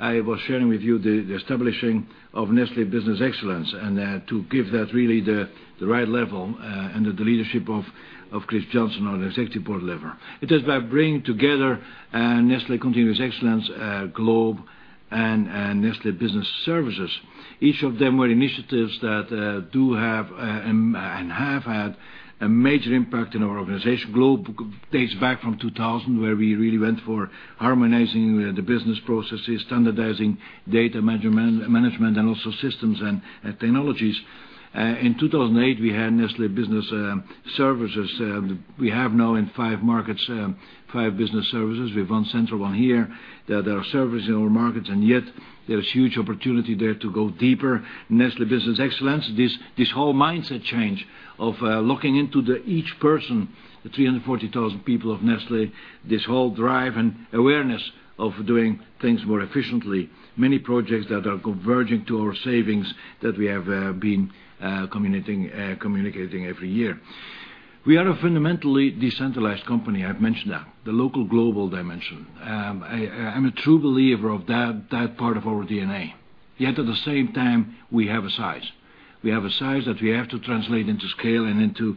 I was sharing with you the establishing of Nestlé Business Excellence. To give that really the right level, under the leadership of Chris Johnson on executive board level. It is by bringing together Nestlé Continuous Excellence, Globe, and Nestlé Business Services. Each of them were initiatives that do have and have had a major impact in our organization. Globe dates back from 2000, where we really went for harmonizing the business processes, standardizing data management, and also systems and technologies. In 2008, we had Nestlé Business Services. We have now in 5 markets, 5 business services. We have 1 central one here. There are services in our markets, yet there is huge opportunity there to go deeper. Nestlé Business Excellence, this whole mindset change of looking into each person, the 340,000 people of Nestlé, this whole drive and awareness of doing things more efficiently. Many projects that are converging to our savings that we have been communicating every year. We are a fundamentally decentralized company, I've mentioned that. The local global dimension. I'm a true believer of that part of our DNA. Yet at the same time, we have a size. We have a size that we have to translate into scale and into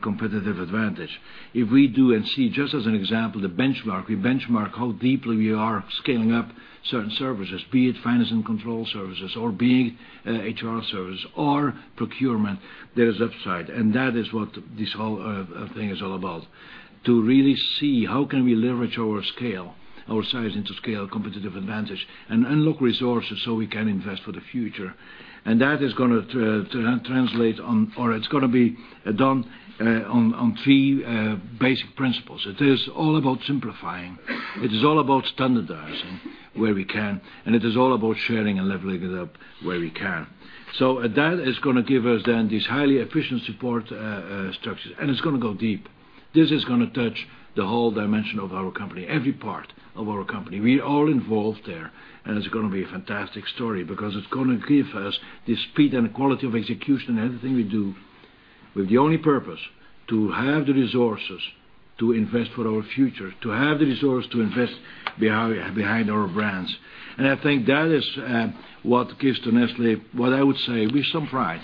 competitive advantage. If we do and see, just as an example, the benchmark. We benchmark how deeply we are scaling up certain services, be it finance and control services, or be it HR service or procurement. There is upside, that is what this whole thing is all about. To really see how can we leverage our scale, our size into scale, competitive advantage, and unlock resources so we can invest for the future. That is going to translate or it's going to be done on 3 basic principles. It is all about simplifying, it is all about standardizing where we can, and it is all about sharing and leveling it up where we can. That is going to give us then these highly efficient support structures, and it's going to go deep. This is going to touch the whole dimension of our company, every part of our company. We're all involved there, it's going to be a fantastic story because it's going to give us the speed and quality of execution in everything we do, with the only purpose to have the resources to invest for our future. To have the resource to invest behind our brands. I think that is what gives to Nestlé, what I would say with some pride,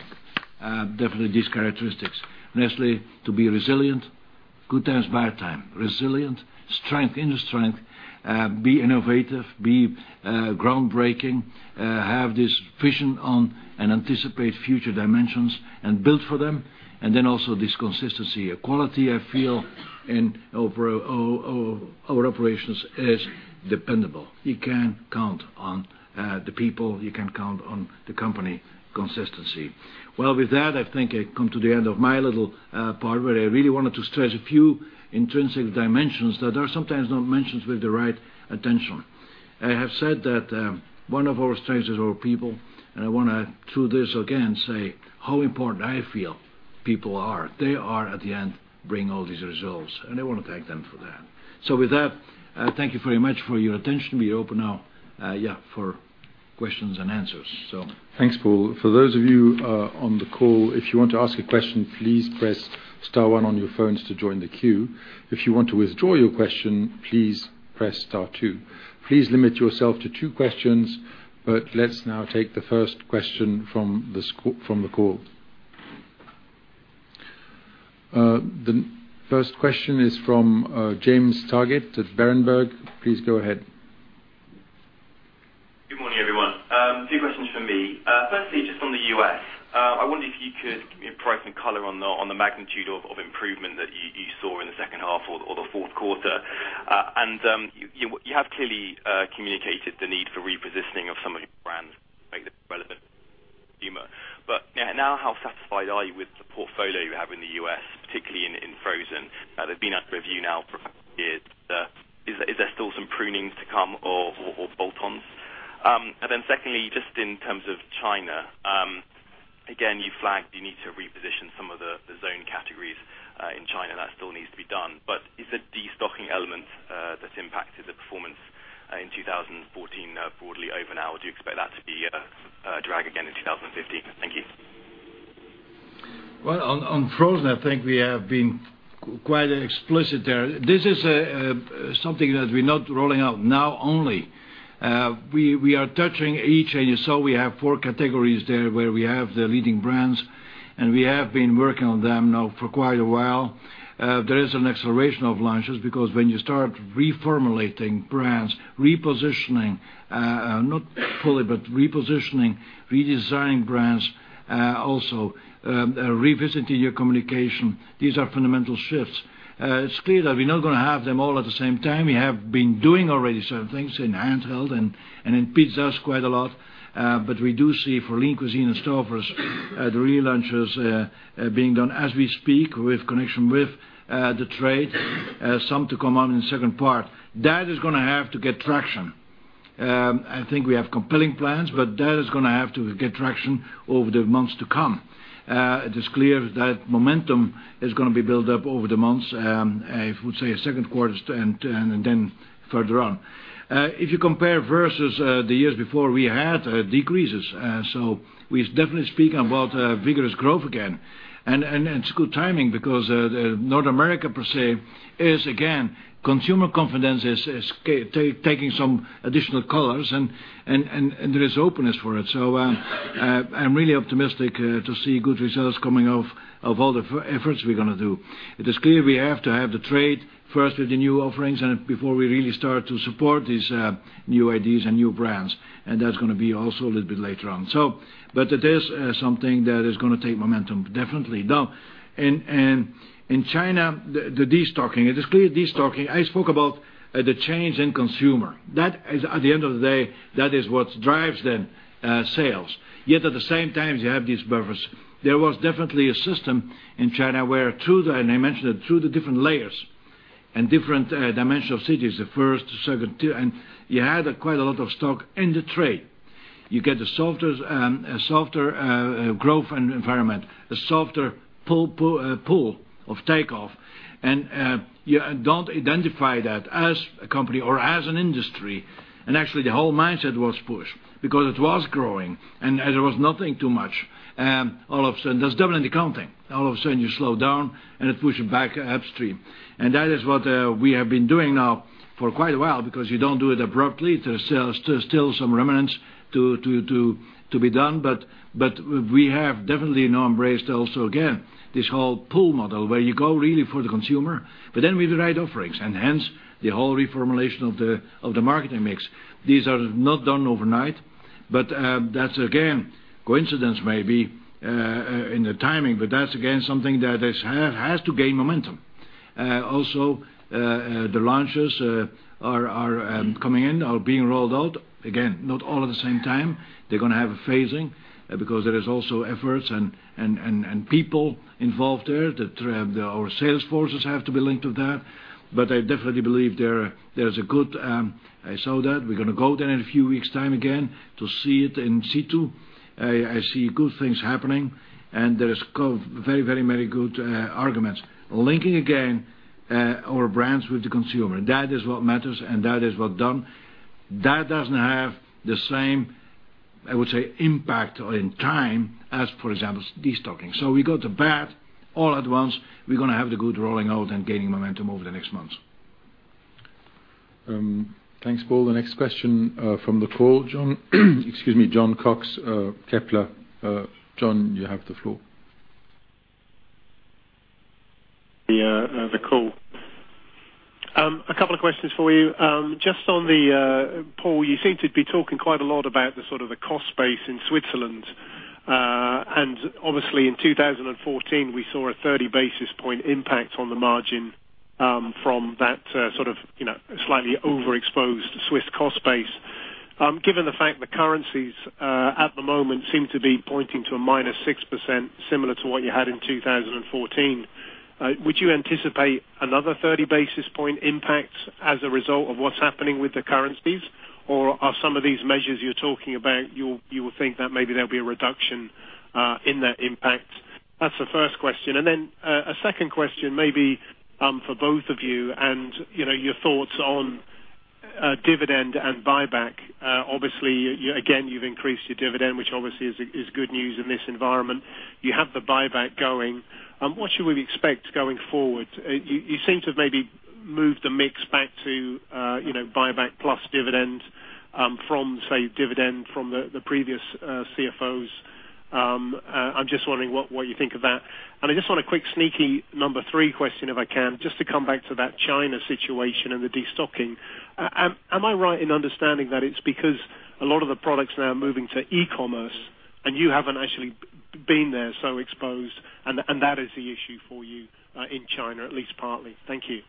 definitely these characteristics. Nestlé to be resilient, good times, bad time, resilient, strength into strength, be innovative, be groundbreaking, have this vision on and anticipate future dimensions, and build for them. Also this consistency. A quality I feel in our operations is dependable. You can count on the people, you can count on the company consistency. Well, with that, I think I come to the end of my little part where I really wanted to stress a few intrinsic dimensions that are sometimes not mentioned with the right attention. I have said that one of our strengths is our people, and I want to, through this again, say how important I feel people are. They are, at the end, bringing all these results, and I want to thank them for that. With that, thank you very much for your attention. We are open now for questions and answers. Thanks, Paul. For those of you on the call, if you want to ask a question, please press star 1 on your phones to join the queue. If you want to withdraw your question, please press star 2. Please limit yourself to 2 questions. Let's now take the first question from the call. The first question is from James Targett at Berenberg. Please go ahead. Good morning, everyone. 2 questions from me. Firstly, just on the U.S. I wonder if you could give me a price and color on the magnitude of improvement that you saw in the second half or the 4th quarter. You have clearly communicated the need for repositioning of some of your brands to make them relevant. How satisfied are you with the portfolio you have in the U.S., particularly in frozen? They've been under review now for a few years. Is there still some prunings to come or bolt-ons? Secondly, just in terms of China, again, you flagged the need to reposition some of the Zone categories in China. That still needs to be done. Is the de-stocking element that's impacted the performance in 2014 broadly over now? Do you expect that to be a drag again in 2015? Thank you. Well, on frozen, I think we have been quite explicit there. This is something that we're not rolling out now only. We are touching each. You saw we have 4 categories there where we have the leading brands, and we have been working on them now for quite a while. There is an acceleration of launches because when you start reformulating brands, repositioning, not fully, but repositioning, redesigning brands, also revisiting your communication, these are fundamental shifts. It's clear that we're not going to have them all at the same time. We have been doing already certain things in handheld and in pizzas quite a lot. We do see for Lean Cuisine and Stouffer's, the relaunches being done as we speak, with connection with the trade, some to come on in the second part. That is going to have to get traction. That is going to have to get traction over the months to come. It is clear that momentum is going to be built up over the months, I would say second quarters and then further on. If you compare versus the years before, we had decreases. We definitely speak about vigorous growth again. It's good timing because North America per se, is again, consumer confidence is taking some additional colors and there is openness for it. I'm really optimistic to see good results coming off of all the efforts we're going to do. It is clear we have to have the trade first with the new offerings and before we really start to support these new ideas and new brands, and that's going to be also a little bit later on. It is something that is going to take momentum, definitely. Now, in China, the destocking. It is clear, destocking, I spoke about the change in consumer. At the end of the day, that is what drives then sales. Yet at the same time, you have these buffers. There was definitely a system in China where through the, and I mentioned it, through the different layers and different dimensional cities, the first, second, third, and you had quite a lot of stock in the trade. You get a softer growth environment, a softer pull of takeoff, and you don't identify that as a company or as an industry. Actually, the whole mindset was push because it was growing, and there was nothing too much. All of a sudden, there's definitely accounting. All of a sudden, you slow down, and it pushes back upstream. That is what we have been doing now for quite a while because you don't do it abruptly. There's still some remnants to be done, we have definitely now embraced also again, this whole pull model where you go really for the consumer, but then with the right offerings, and hence the whole reformulation of the marketing mix. These are not done overnight, that's again, coincidence maybe in the timing, but that's again, something that has to gain momentum. Also, the launches are coming in, are being rolled out. Again, not all at the same time. They're going to have a phasing because there is also efforts and people involved there. Our sales forces have to be linked to that. I definitely believe there's a good-- I saw that. We're going to go there in a few weeks' time again to see it in situ. I see good things happening, there is very good arguments. Linking again our brands with the consumer. That is what matters, that is well done. That doesn't have the same, I would say, impact in time as, for example, destocking. We got the bat all at once. We're going to have the good rolling out and gaining momentum over the next months. Thanks, Paul. The next question from the call, Jon Cox, Kepler. Jon, you have the floor. Yeah, the call. A couple of questions for you. Paul, you seem to be talking quite a lot about the sort of the cost base in Switzerland. Obviously, in 2014, we saw a 30 basis point impact on the margin from that sort of slightly overexposed Swiss cost base. Given the fact the currencies at the moment seem to be pointing to a -6%, similar to what you had in 2014, would you anticipate another 30 basis point impact as a result of what's happening with the currencies? Are some of these measures you're talking about, you would think that maybe there'll be a reduction in that impact? That's the first question. A second question, maybe for both of you, and your thoughts on dividend and buyback. Again, you've increased your dividend, which obviously is good news in this environment. You have the buyback going. What should we expect going forward? You seem to have maybe moved the mix back to buyback plus dividend from, say, dividend from the previous CFOs. I'm just wondering what you think of that. I just want a quick sneaky number three question, if I can, just to come back to that China situation and the destocking. Am I right in understanding that it's because a lot of the products now are moving to e-commerce, and you haven't actually been there, so exposed, and that is the issue for you in China, at least partly? Thank you.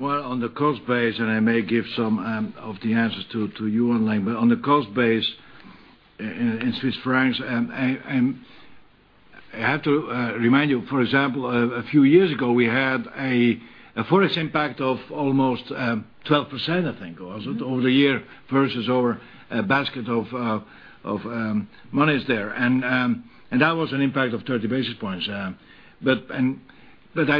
Well, on the cost base, and I may give some of the answers to you online, but on the cost base in Swiss francs, I have to remind you, for example, a few years ago, we had a Forex impact of almost 12%, I think it was, over the year versus our basket of monies there. That was an impact of 30 basis points. I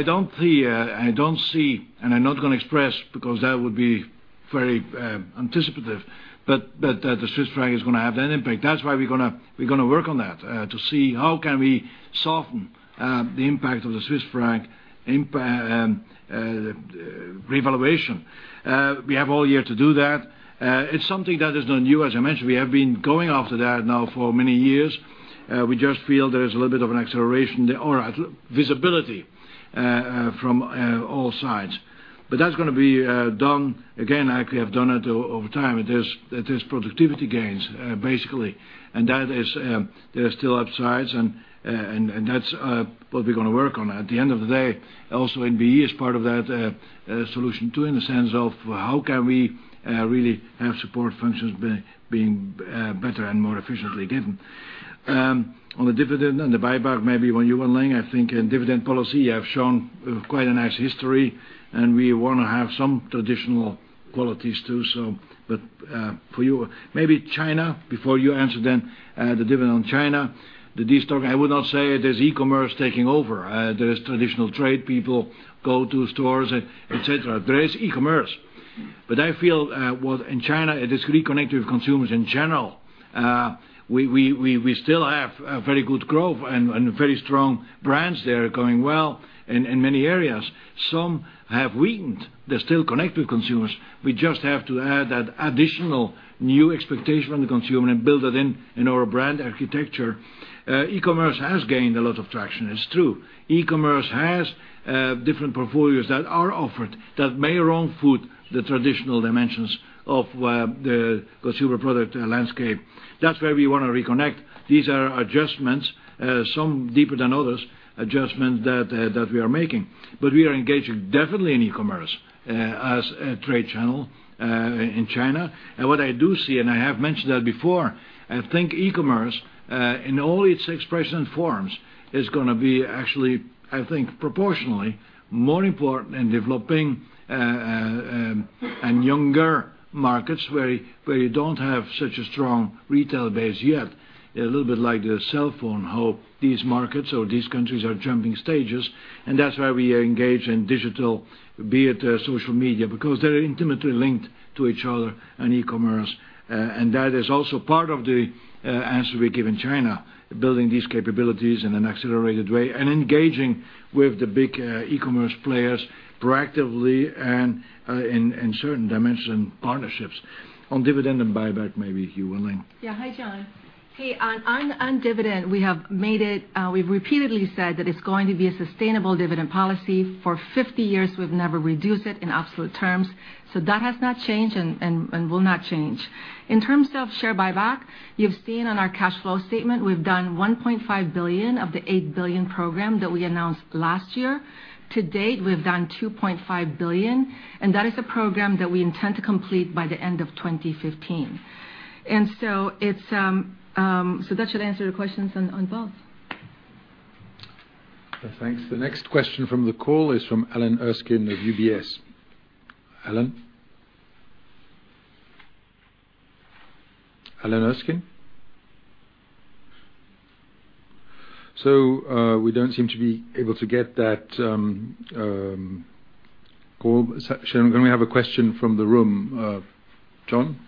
don't see, and I'm not going to express because that would be very anticipative. The Swiss franc is going to have that impact. That's why we're going to work on that, to see how can we soften the impact of the Swiss franc revaluation. We have all year to do that. It's something that is not new. As I mentioned, we have been going after that now for many years. We just feel there is a little bit of an acceleration or visibility from all sides. That's going to be done. Actually, I've done it over time. It is productivity gains, basically, and there are still upsides, and that's what we're going to work on. At the end of the day, also NBE is part of that solution too, in the sense of how can we really have support functions being better and more efficiently given. On the dividend and the buyback, maybe when you look at the, I think in dividend policy, you have shown quite a nice history, and we want to have some traditional qualities too. For you, maybe China, before you answer then the dividend on China, the destocking, I would not say it is e-commerce taking over. There is traditional trade, people go to stores, et cetera. There is e-commerce, I feel while in China, it is reconnecting with consumers in general. We still have very good growth and very strong brands there going well in many areas. Some have weakened. They're still connected with consumers. We just have to add that additional new expectation on the consumer and build that in our brand architecture. E-commerce has gained a lot of traction. It's true. E-commerce has different portfolios that are offered that may out-foot the traditional dimensions of the consumer product landscape. That's where we want to reconnect. These are adjustments, some deeper than others, adjustments that we are making. We are engaged definitely in e-commerce as a trade channel in China. What I do see, and I have mentioned that before, I think e-commerce, in all its expression and forms, is going to be actually, I think, proportionally more important in developing and younger markets where you don't have such a strong retail base yet. A little bit like the cell phone, how these markets or these countries are jumping stages, that's why we are engaged in digital, be it social media, because they're intimately linked to each other and e-commerce. That is also part of the answer we give in China, building these capabilities in an accelerated way and engaging with the big e-commerce players proactively and in certain dimension partnerships. On dividend and buyback, maybe if you're willing. Hi, Jon. On dividend, we've repeatedly said that it's going to be a sustainable dividend policy. For 50 years, we've never reduced it in absolute terms. That has not changed and will not change. In terms of share buyback, you've seen on our cash flow statement, we've done 1.5 billion of the 8 billion program that we announced last year. To date, we've done 2.5 billion, that is a program that we intend to complete by the end of 2015. That should answer your questions on both. Thanks. The next question from the call is from Alan Erskine of UBS. Alan? Alan Erskine? We don't seem to be able to get that call. Shannon, can we have a question from the room? John?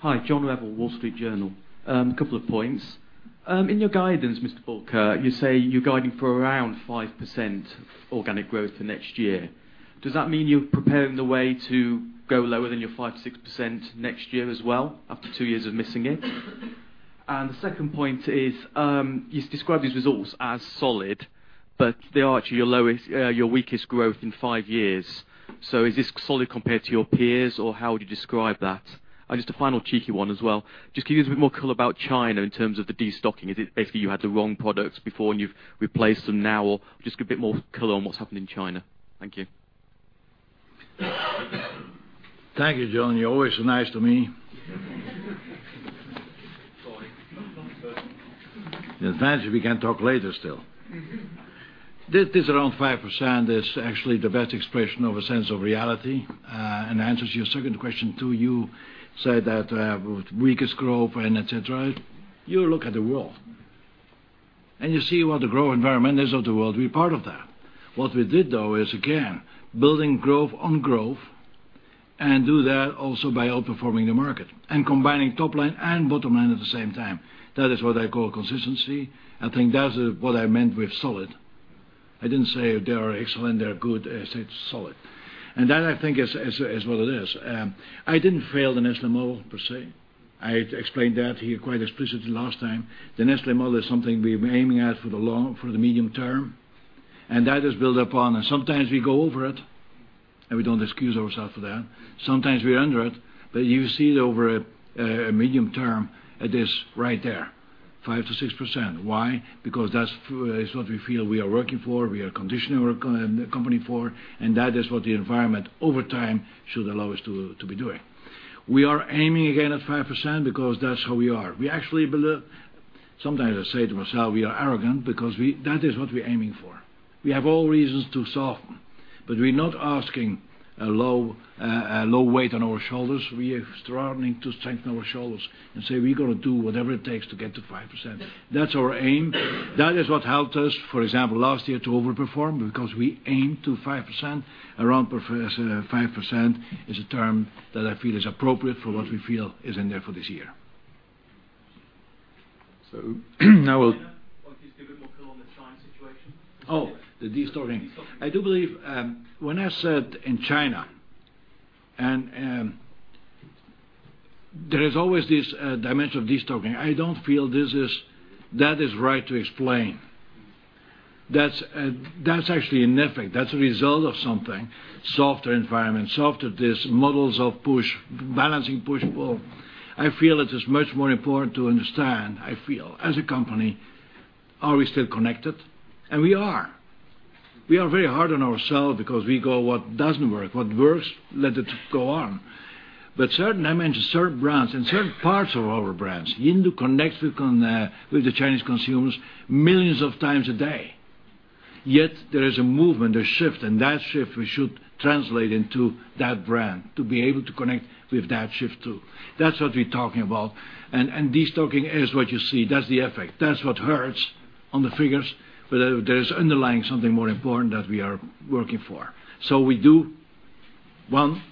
Hi. John Revill, The Wall Street Journal. Couple of points. In your guidance, Mr. Bulcke, you say you're guiding for around 5% organic growth for next year. Does that mean you're preparing the way to go lower than your 5%-6% next year as well, after two years of missing it? The second point is, you describe these results as solid, but they are actually your weakest growth in five years. Is this solid compared to your peers, or how would you describe that? Just a final cheeky one as well. Just can you give us a bit more color about China in terms of the destocking? Is it basically you had the wrong products before and you've replaced them now, or just give a bit more color on what's happened in China. Thank you. Thank you, John. You're always so nice to me. Sorry. In fact, we can talk later still. This around 5% is actually the best expression of a sense of reality, and answers your second question too. You said that with weakest growth and et cetera. You look at the world, and you see what the growth environment is of the world. We're part of that. What we did though is, again, building growth on growth, and do that also by outperforming the market and combining top line and bottom line at the same time. That is what I call consistency. I think that's what I meant with solid. I didn't say they are excellent, they are good. I said solid. That I think is what it is. I didn't fail the Nestlé model per se. I explained that here quite explicitly last time. The Nestlé model is something we're aiming at for the medium term, that is built upon, sometimes we go over it, we don't excuse ourselves for that. Sometimes we're under it, you see it over a medium term, it is right there, 5%-6%. Why? That's what we feel we are working for, we are conditioning the company for, that is what the environment over time should allow us to be doing. We are aiming again at 5% because that's how we are. Sometimes I say to myself we are arrogant because that is what we are aiming for. We have all reasons. We're not asking a low weight on our shoulders. We are struggling to strengthen our shoulders and say we're going to do whatever it takes to get to 5%. That's our aim. That is what helped us, for example, last year to over-perform because we aim to 5%. Around 5% is a term that I feel is appropriate for what we feel is in there for this year. China, just give a bit more color on the China situation. The destocking. The destocking. I do believe, when I said in China, there is always this dimension of destocking. I don't feel that is right to explain. That's actually an effect. That's a result of something, softer environment, softer this, models of push, balancing push-pull. I feel it is much more important to understand, I feel as a company, are we still connected? We are. We are very hard on ourselves because we go what doesn't work, what works, let it go on. Certain dimensions, certain brands, and certain parts of our brands, Yinlu connects with the Chinese consumers millions of times a day. Yet, there is a movement, a shift, and that shift we should translate into that brand to be able to connect with that shift too. That's what we're talking about. Destocking is what you see. That's the effect. That's what hurts on the figures. There's underlying something more important that we are working for. We do one,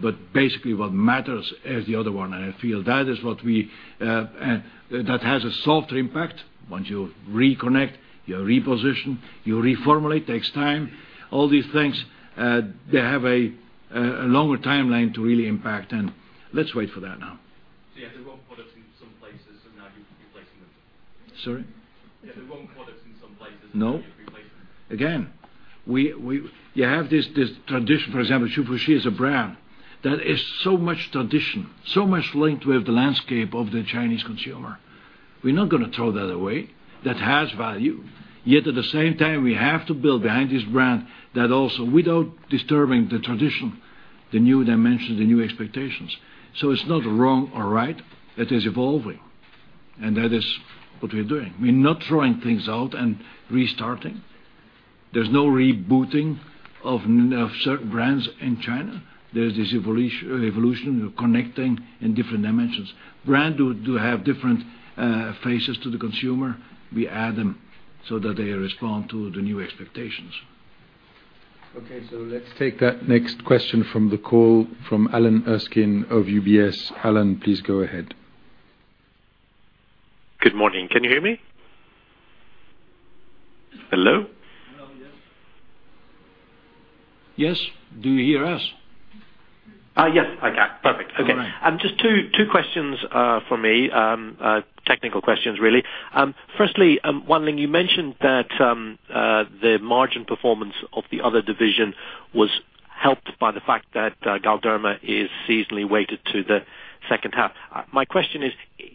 but basically what matters is the other one. I feel that has a softer impact. Once you reconnect, you reposition, you reformulate, takes time. All these things, they have a longer timeline to really impact, and let's wait for that now. You had the wrong products in some places, so now you're replacing them. Sorry? You had the wrong products in some places. No. Now you're replacing them. Again, you have this tradition, for example, Hsu Fu Chi is a brand that is so much tradition, so much linked with the landscape of the Chinese consumer. We're not going to throw that away. That has value. Yet, at the same time, we have to build behind this brand that also without disturbing the tradition, the new dimensions, the new expectations. It's not wrong or right, it is evolving. That is what we're doing. We're not throwing things out and restarting. There's no rebooting of certain brands in China. There's this evolution of connecting in different dimensions. Brands do have different faces to the consumer. We add them so that they respond to the new expectations. Okay, let's take that next question from the call from Alan Erskine of UBS. Alan, please go ahead. Good morning. Can you hear me? Hello? Hello, yes. Yes. Do you hear us? Yes, I can. Perfect. All right. Okay. Just two questions from me. Technical questions, really. Firstly, Wan Ling, you mentioned that the margin performance of the other division was helped by the fact that Galderma is seasonally weighted to the second half. My question is: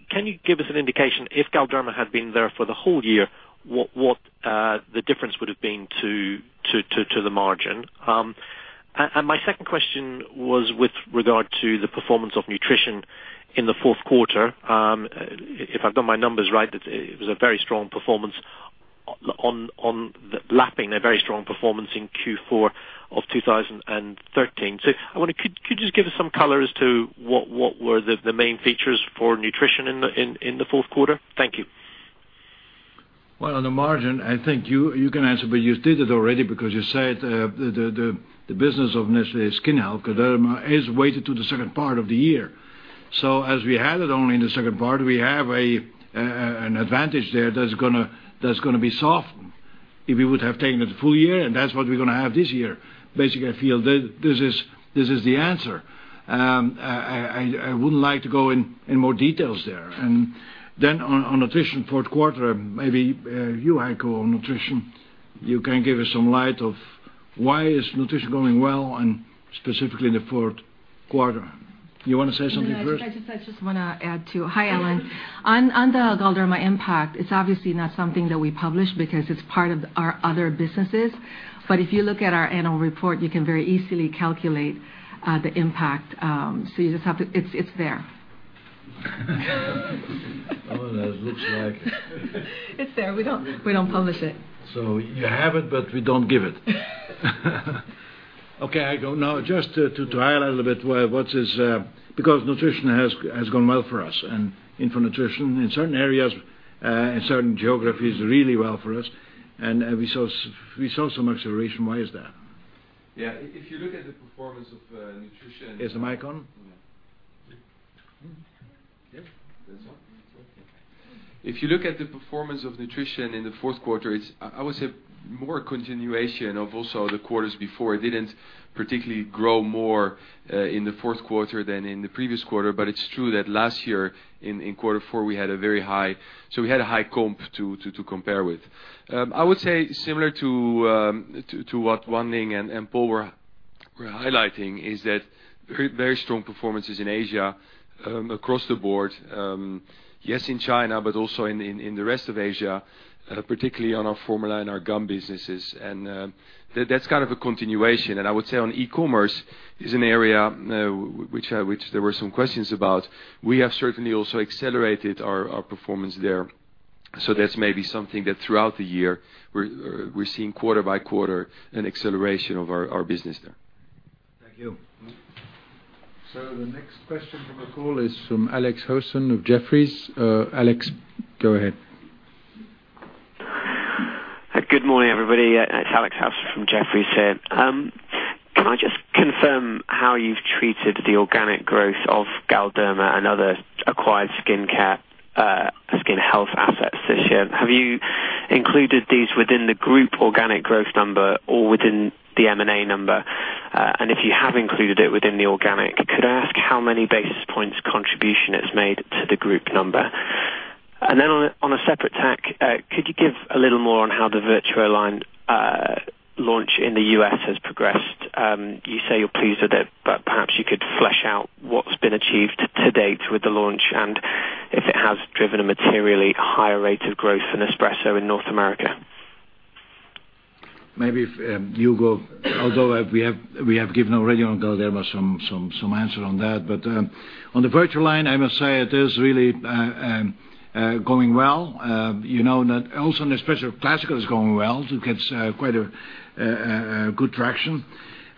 can you give us an indication, if Galderma had been there for the whole year, what the difference would've been to the margin? My second question was with regard to the performance of nutrition in the fourth quarter. If I've got my numbers right, it was a very strong performance on lapping, a very strong performance in Q4 of 2013. I wonder, could you just give us some color as to what were the main features for nutrition in the fourth quarter? Thank you. Well, on the margin, I think you can answer, but you did it already because you said the business of Nestlé Skin Health, Galderma, is weighted to the second part of the year. As we had it only in the second part, we have an advantage there that's going to be softened if you would have taken it the full year, and that's what we're going to have this year. Basically, I feel this is the answer. I would like to go in more details there. Then on nutrition fourth quarter, maybe you, Heiko, on nutrition, you can give us some light of why is nutrition going well and specifically in the fourth quarter. You want to say something first? I just want to add, too. Hi, Alan. On the Galderma impact, it's obviously not something that we publish because it's part of our other businesses. If you look at our annual report, you can very easily calculate the impact. It's there. Alan, it looks like. It's there. We don't publish it. You have it, but we don't give it. Okay, Heiko, now just to highlight a little bit what is Because nutrition has gone well for us, and infant nutrition in certain areas, in certain geographies, really well for us, and we saw some acceleration. Why is that? Yeah. If you look at the performance of nutrition- Is the mic on? Yeah. Yeah. That's on. If you look at the performance of Nestlé Nutrition in the fourth quarter, it's I would say more continuation of also the quarters before. It didn't particularly grow more in the fourth quarter than in the previous quarter, but it's true that last year in quarter four, we had a very high comp to compare with. I would say similar to what Wan Ling and Paul were highlighting is that very strong performances in Asia across the board. Yes, in China, but also in the rest of Asia, particularly on our formula and our gum businesses. I would say on e-commerce is an area which there were some questions about. We have certainly also accelerated our performance there. That's maybe something that throughout the year, we're seeing quarter by quarter an acceleration of our business there. Thank you. The next question from the call is from Alexia Howard of Jefferies. Alex, go ahead. Good morning, everybody. It's Alexia Howard from Jefferies here. Can I just confirm how you've treated the organic growth of Galderma and other acquired skincare, skin health assets this year? Have you included these within the group organic growth number or within the M&A number? If you have included it within the organic, could I ask how many basis points contribution it's made to the group number? On a separate tack, could you give a little more on how the VertuoLine launch in the U.S. has progressed? You say you're pleased with it, but perhaps you could flesh out what's been achieved to date with the launch and if it has driven a materially higher rate of growth in Nespresso in North America. Maybe if you go, although we have given already on Galderma some answer on that, on the VertuoLine, I must say it is really going well. Nespresso Classical is going well. It gets quite good traction.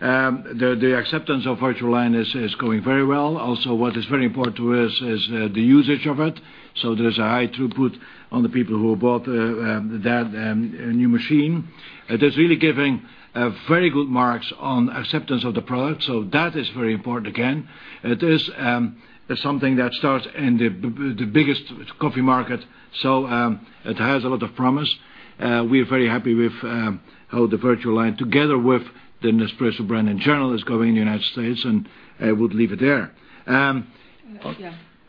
The acceptance of VertuoLine is going very well. What is very important to us is the usage of it. There's a high throughput on the people who bought that new machine. It is really giving very good marks on acceptance of the product. That is very important again. It is something that starts in the biggest coffee market, it has a lot of promise. We're very happy with how the VertuoLine, together with the Nespresso brand in general, is going in the U.S., I would leave it there. Yeah.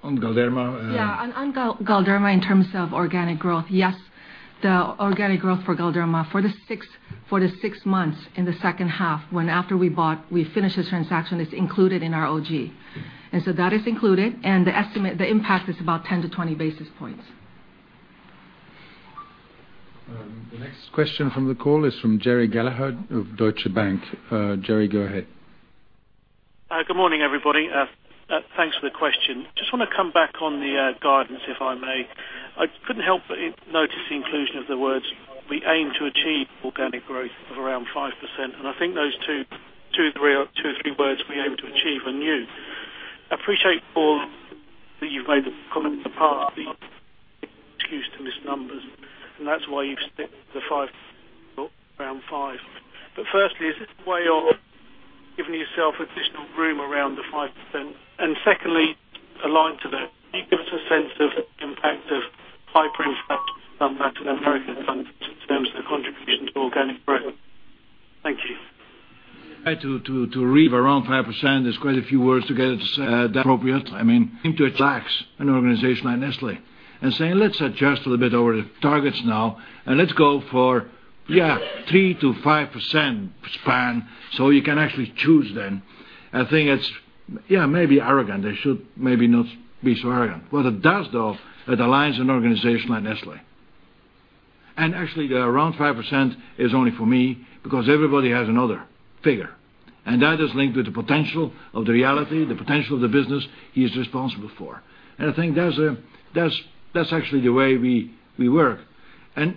On Galderma- On Galderma, in terms of organic growth, yes. The organic growth for Galderma for the six months in the second half, when after we bought, we finished the transaction, it's included in our OG. That is included, and the impact is about 10 to 20 basis points. The next question from the call is from Gerry Gallagher of Deutsche Bank. Gerry, go ahead. Good morning, everybody. Thanks for the question. Want to come back on the guidance, if I may. I couldn't help but notice the inclusion of the words, "We aim to achieve organic growth of around 5%," I think those two or three words, "be able to achieve" are new. I appreciate, Paul, that you've made the comment in the past that excuse to miss numbers, and that's why you've stuck to the five, around five. Firstly, is this a way of giving yourself additional room around the 5%? Secondly, aligned to that, can you give us a sense of the impact of pricing in terms of the contribution to organic growth? Thank you. To read around 5%, there's quite a few words to get it appropriate. I mean, seem to relax an organization like Nestlé and say, "Let's adjust a little bit our targets now, let's go for three to 5% span," you can actually choose then. I think it's maybe arrogant. They should maybe not be so arrogant. What it does, though, it aligns an organization like Nestlé. Actually, the around 5% is only for me, because everybody has another figure, that is linked with the potential of the reality, the potential of the business he's responsible for. I think that's actually the way we work. The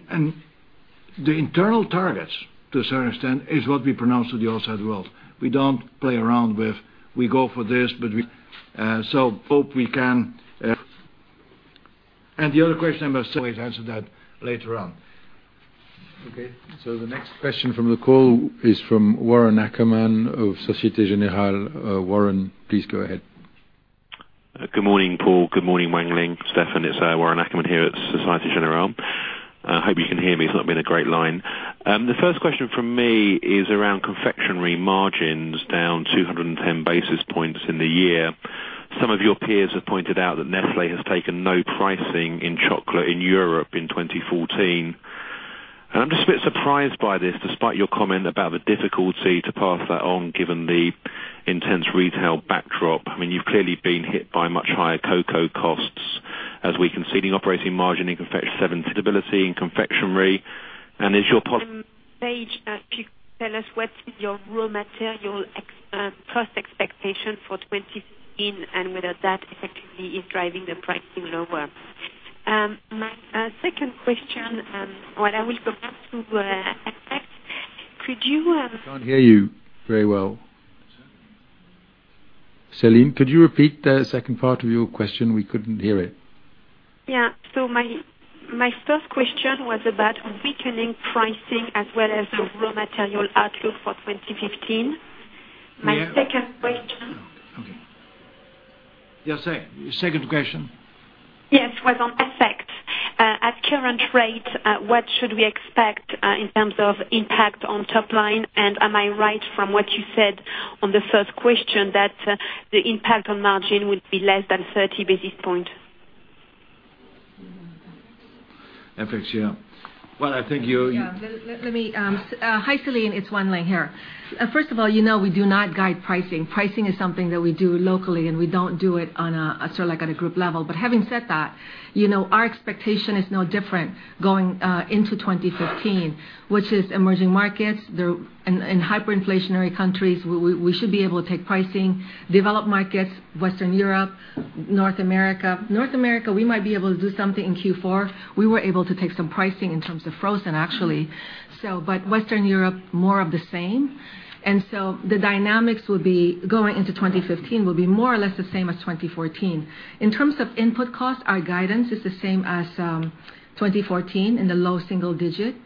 internal targets, to a certain extent, is what we pronounce to the outside world. We don't play around with, we go for this, but we hope we can. The other question, I must always answer that later on. Okay, the next question from the call is from Warren Ackerman of Société Générale. Warren, please go ahead. Good morning, Paul. Good morning, Wan Ling, Stefan. It's Warren Ackerman here at Société Générale. I hope you can hear me. It's not been a great line. The first question from me is around confectionery margins down 210 basis points in the year. Some of your peers have pointed out that Nestlé has taken no pricing in chocolate in Europe in 2014. I'm just a bit surprised by this, despite your comment about the difficulty to pass that on given the intense retail backdrop. I mean, you've clearly been hit by much higher cocoa costs, as we can see the operating margin in confectionery. Is your pos- Paul, if you could tell us what's your raw material cost expectation for 2015, whether that effectively is driving the pricing lower. My second question, well, I will come back to FX. Could you- Can't hear you very well. Celine, could you repeat the second part of your question? We couldn't hear it. Yeah. My first question was about weakening pricing as well as the raw material outlook for 2015. Yeah. My second question. Okay. Yes, second question. Yes, was on FX. At current rate, what should we expect in terms of impact on top line? Am I right from what you said on the first question that the impact on margin would be less than 30 basis points? FX, yeah. Well, I think. Yeah. Hi, Celine, it's Wan Ling here. First of all, you know we do not guide pricing. Pricing is something that we do locally, we don't do it on a group level. Having said that, our expectation is no different going into 2015, which is emerging markets. In hyperinflationary countries, we should be able to take pricing. Developed markets, Western Europe, North America. North America, we might be able to do something in Q4. We were able to take some pricing in terms of frozen, actually. Western Europe, more of the same. The dynamics going into 2015 will be more or less the same as 2014. In terms of input costs, our guidance is the same as 2014, in the low single digit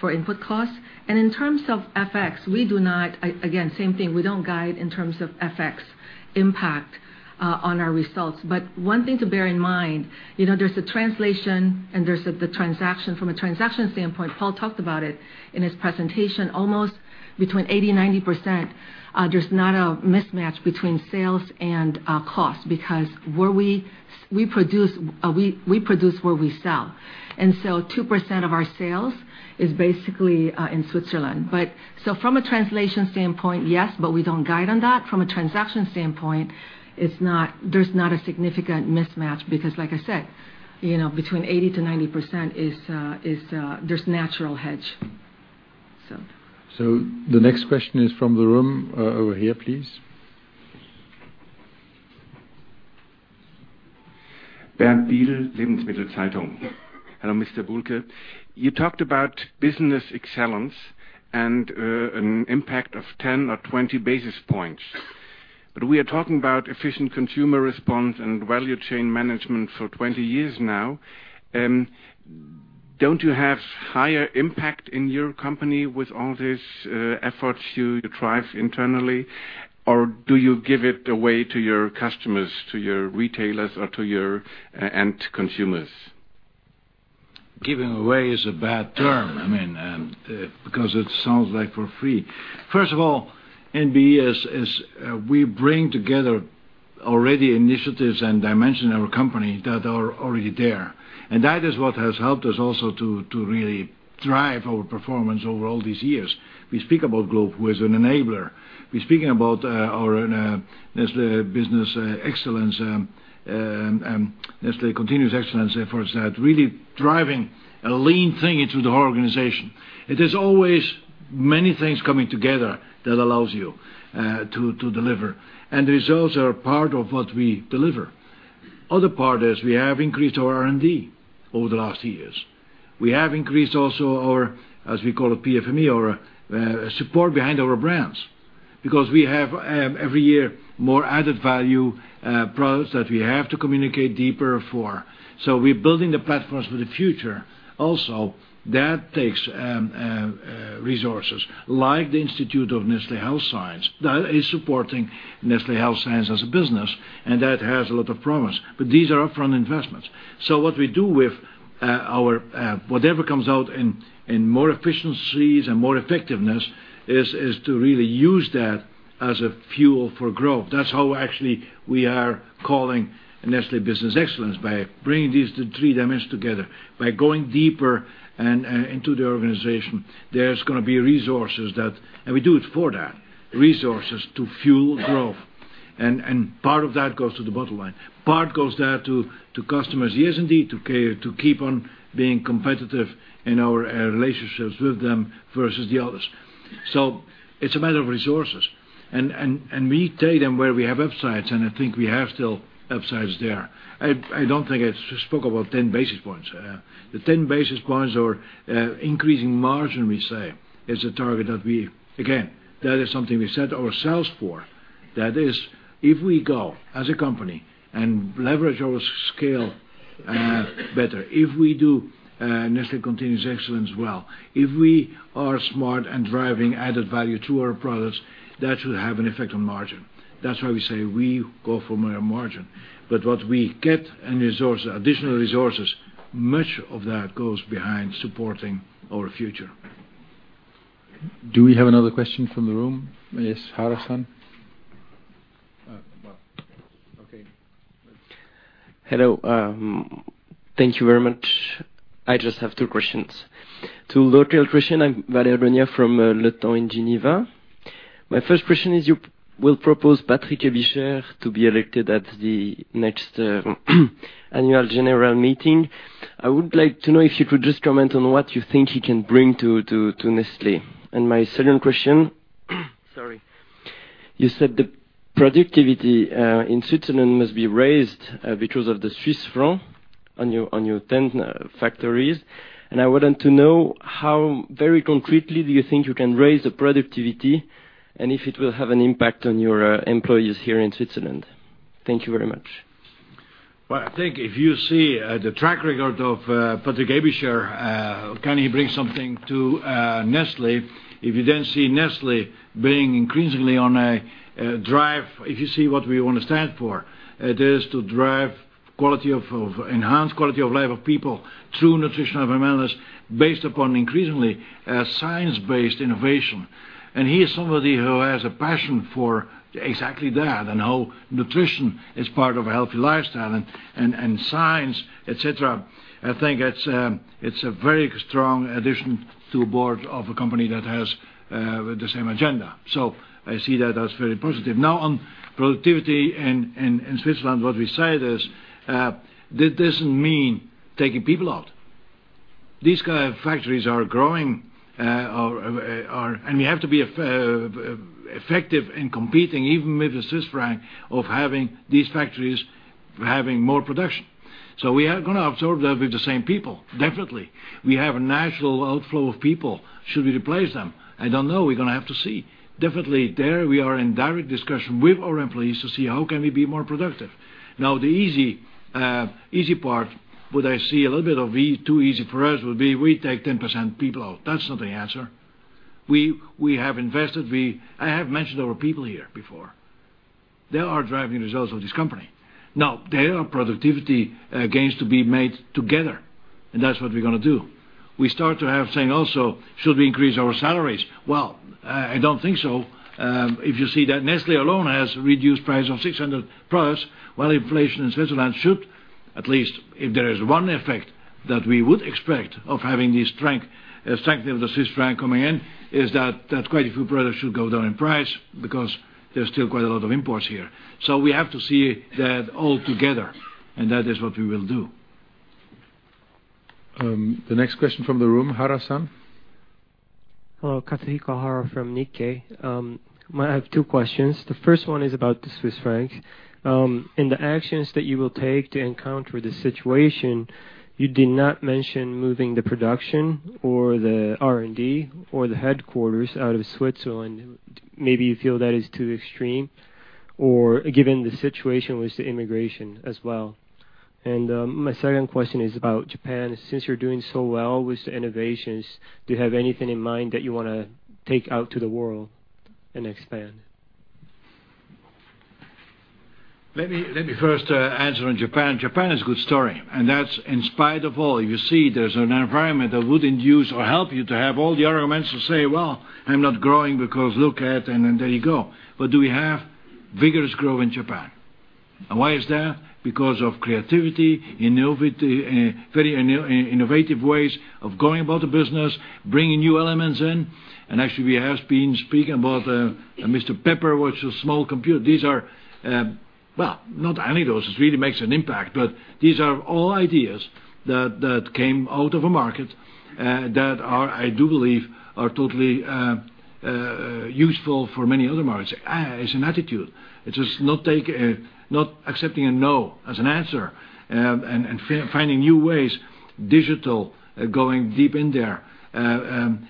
for input costs. In terms of FX, again, same thing, we don't guide in terms of FX impact on our results. One thing to bear in mind, there's the translation and there's the transaction. From a transaction standpoint, Paul talked about it in his presentation, almost between 80%-90%, there's not a mismatch between sales and cost because we produce where we sell. 2% of our sales is basically in Switzerland. From a translation standpoint, yes, but we don't guide on that. From a transaction standpoint, there's not a significant mismatch because like I said, between 80%-90%, there's natural hedge. The next question is from the room over here, please. Bernd Biehl, Lebensmittel Zeitung. Hello, Mr. Bulcke. You talked about business excellence and an impact of 10 or 20 basis points. We are talking about efficient consumer response and value chain management for 20 years now. Don't you have higher impact in your company with all these efforts you drive internally, or do you give it away to your customers, to your retailers, or to your end consumers? Giving away is a bad term, because it sounds like for free. First of all, in BE, we bring together already initiatives and dimensions of our company that are already there. That is what has helped us also to really drive our performance over all these years. We speak about growth with an enabler. We're speaking about our Nestlé Business Excellence, Nestlé Continuous Excellence efforts that really driving a lean thinking through the whole organization. It is always many things coming together that allows you to deliver. The results are part of what we deliver. Other part is we have increased our R&D over the last years. We have increased also our, as we call it, PFME, our support behind our brands. We have, every year, more added value products that we have to communicate deeper for. We're building the platforms for the future. That takes resources like the Nestlé Institute of Health Sciences, that is supporting Nestlé Health Science as a business, and that has a lot of promise. These are upfront investments. What we do with whatever comes out in more efficiencies and more effectiveness is to really use that as a fuel for growth. That's how actually we are calling Nestlé Business Excellence, by bringing these three dimensions together. By going deeper into the organization, there's going to be resources. We do it for that. Resources to fuel growth. Part of that goes to the bottom line. Part goes there to customers. Yes, indeed, to keep on being competitive in our relationships with them versus the others. It's a matter of resources. We tell them where we have upsides, and I think we have still upsides there. I don't think I spoke about 10 basis points. The 10 basis points or increasing margin, we say, is a target that we. Again, that is something we set ourselves for. That is, if we go as a company and leverage our scale better, if we do Nestlé Continuous Excellence well, if we are smart and driving added value to our products, that should have an effect on margin. That's why we say we go for margin. What we get in additional resources, much of that goes behind supporting our future. Do we have another question from the room? Yes, Harrison? Well, okay. Hello. Thank you very much. I just have two questions. Two local questions, I'm Valérie Beugnet from Le Temps in Geneva. My first question is, you will propose Patrick Aebischer to be elected at the next annual general meeting. I would like to know if you could just comment on what you think he can bring to Nestlé. My second question, sorry. You said the productivity in Switzerland must be raised because of the Swiss franc on your 10 factories. I wanted to know how very concretely do you think you can raise the productivity, and if it will have an impact on your employees here in Switzerland. Thank you very much. Well, I think if you see the track record of Patrick Aebischer, can he bring something to Nestlé? If you then see Nestlé being increasingly on a drive, if you see what we want to stand for, it is to drive enhanced quality of life of people through nutritional wellness based upon increasingly science-based innovation. He is somebody who has a passion for exactly that, and how nutrition is part of a healthy lifestyle, and science, et cetera. I think it's a very strong addition to a board of a company that has the same agenda. I see that as very positive. Now on productivity in Switzerland, what we said is, that doesn't mean taking people out. These kind of factories are growing, and we have to be effective in competing, even with the Swiss franc, of having these factories having more production. We are going to absorb that with the same people, definitely. We have a natural outflow of people. Should we replace them? I don't know. We're going to have to see. Definitely, there we are in direct discussion with our employees to see how can we be more productive. The easy part, what I see a little bit of too easy for us would be we take 10% people out. That's not the answer. We have invested. I have mentioned our people here before. They are driving results of this company. There are productivity gains to be made together, and that's what we're going to do. We start to have saying also, should we increase our salaries? I don't think so. If you see that Nestlé alone has reduced price on 600 products, while inflation in Switzerland should, at least if there is one effect that we would expect of having the strength of the Swiss Franc coming in, is that quite a few products should go down in price because there's still quite a lot of imports here. We have to see that all together, and that is what we will do. The next question from the room, Hara San? Hello, Katsuhiko Hara from Nikkei. I have two questions. The first one is about the Swiss Franc. In the actions that you will take to encounter the situation, you did not mention moving the production or the R&D or the headquarters out of Switzerland. Maybe you feel that is too extreme, or given the situation with the immigration as well. My second question is about Japan. Since you're doing so well with the innovations, do you have anything in mind that you want to take out to the world and expand? Let me first answer on Japan. Japan is a good story, that's in spite of all, you see there's an environment that wouldn't use or help you to have all the arguments to say, "Well, I'm not growing because look at," then there you go. Do we have vigorous growth in Japan? Why is that? Because of creativity, very innovative ways of going about the business, bringing new elements in. Actually, we have been speaking about Pepper, which is small computer. These are, well, not only those, it really makes an impact, these are all ideas that came out of a market that are, I do believe, are totally useful for many other markets. It's an attitude. It is not accepting a no as an answer, finding new ways, digital, going deep in there,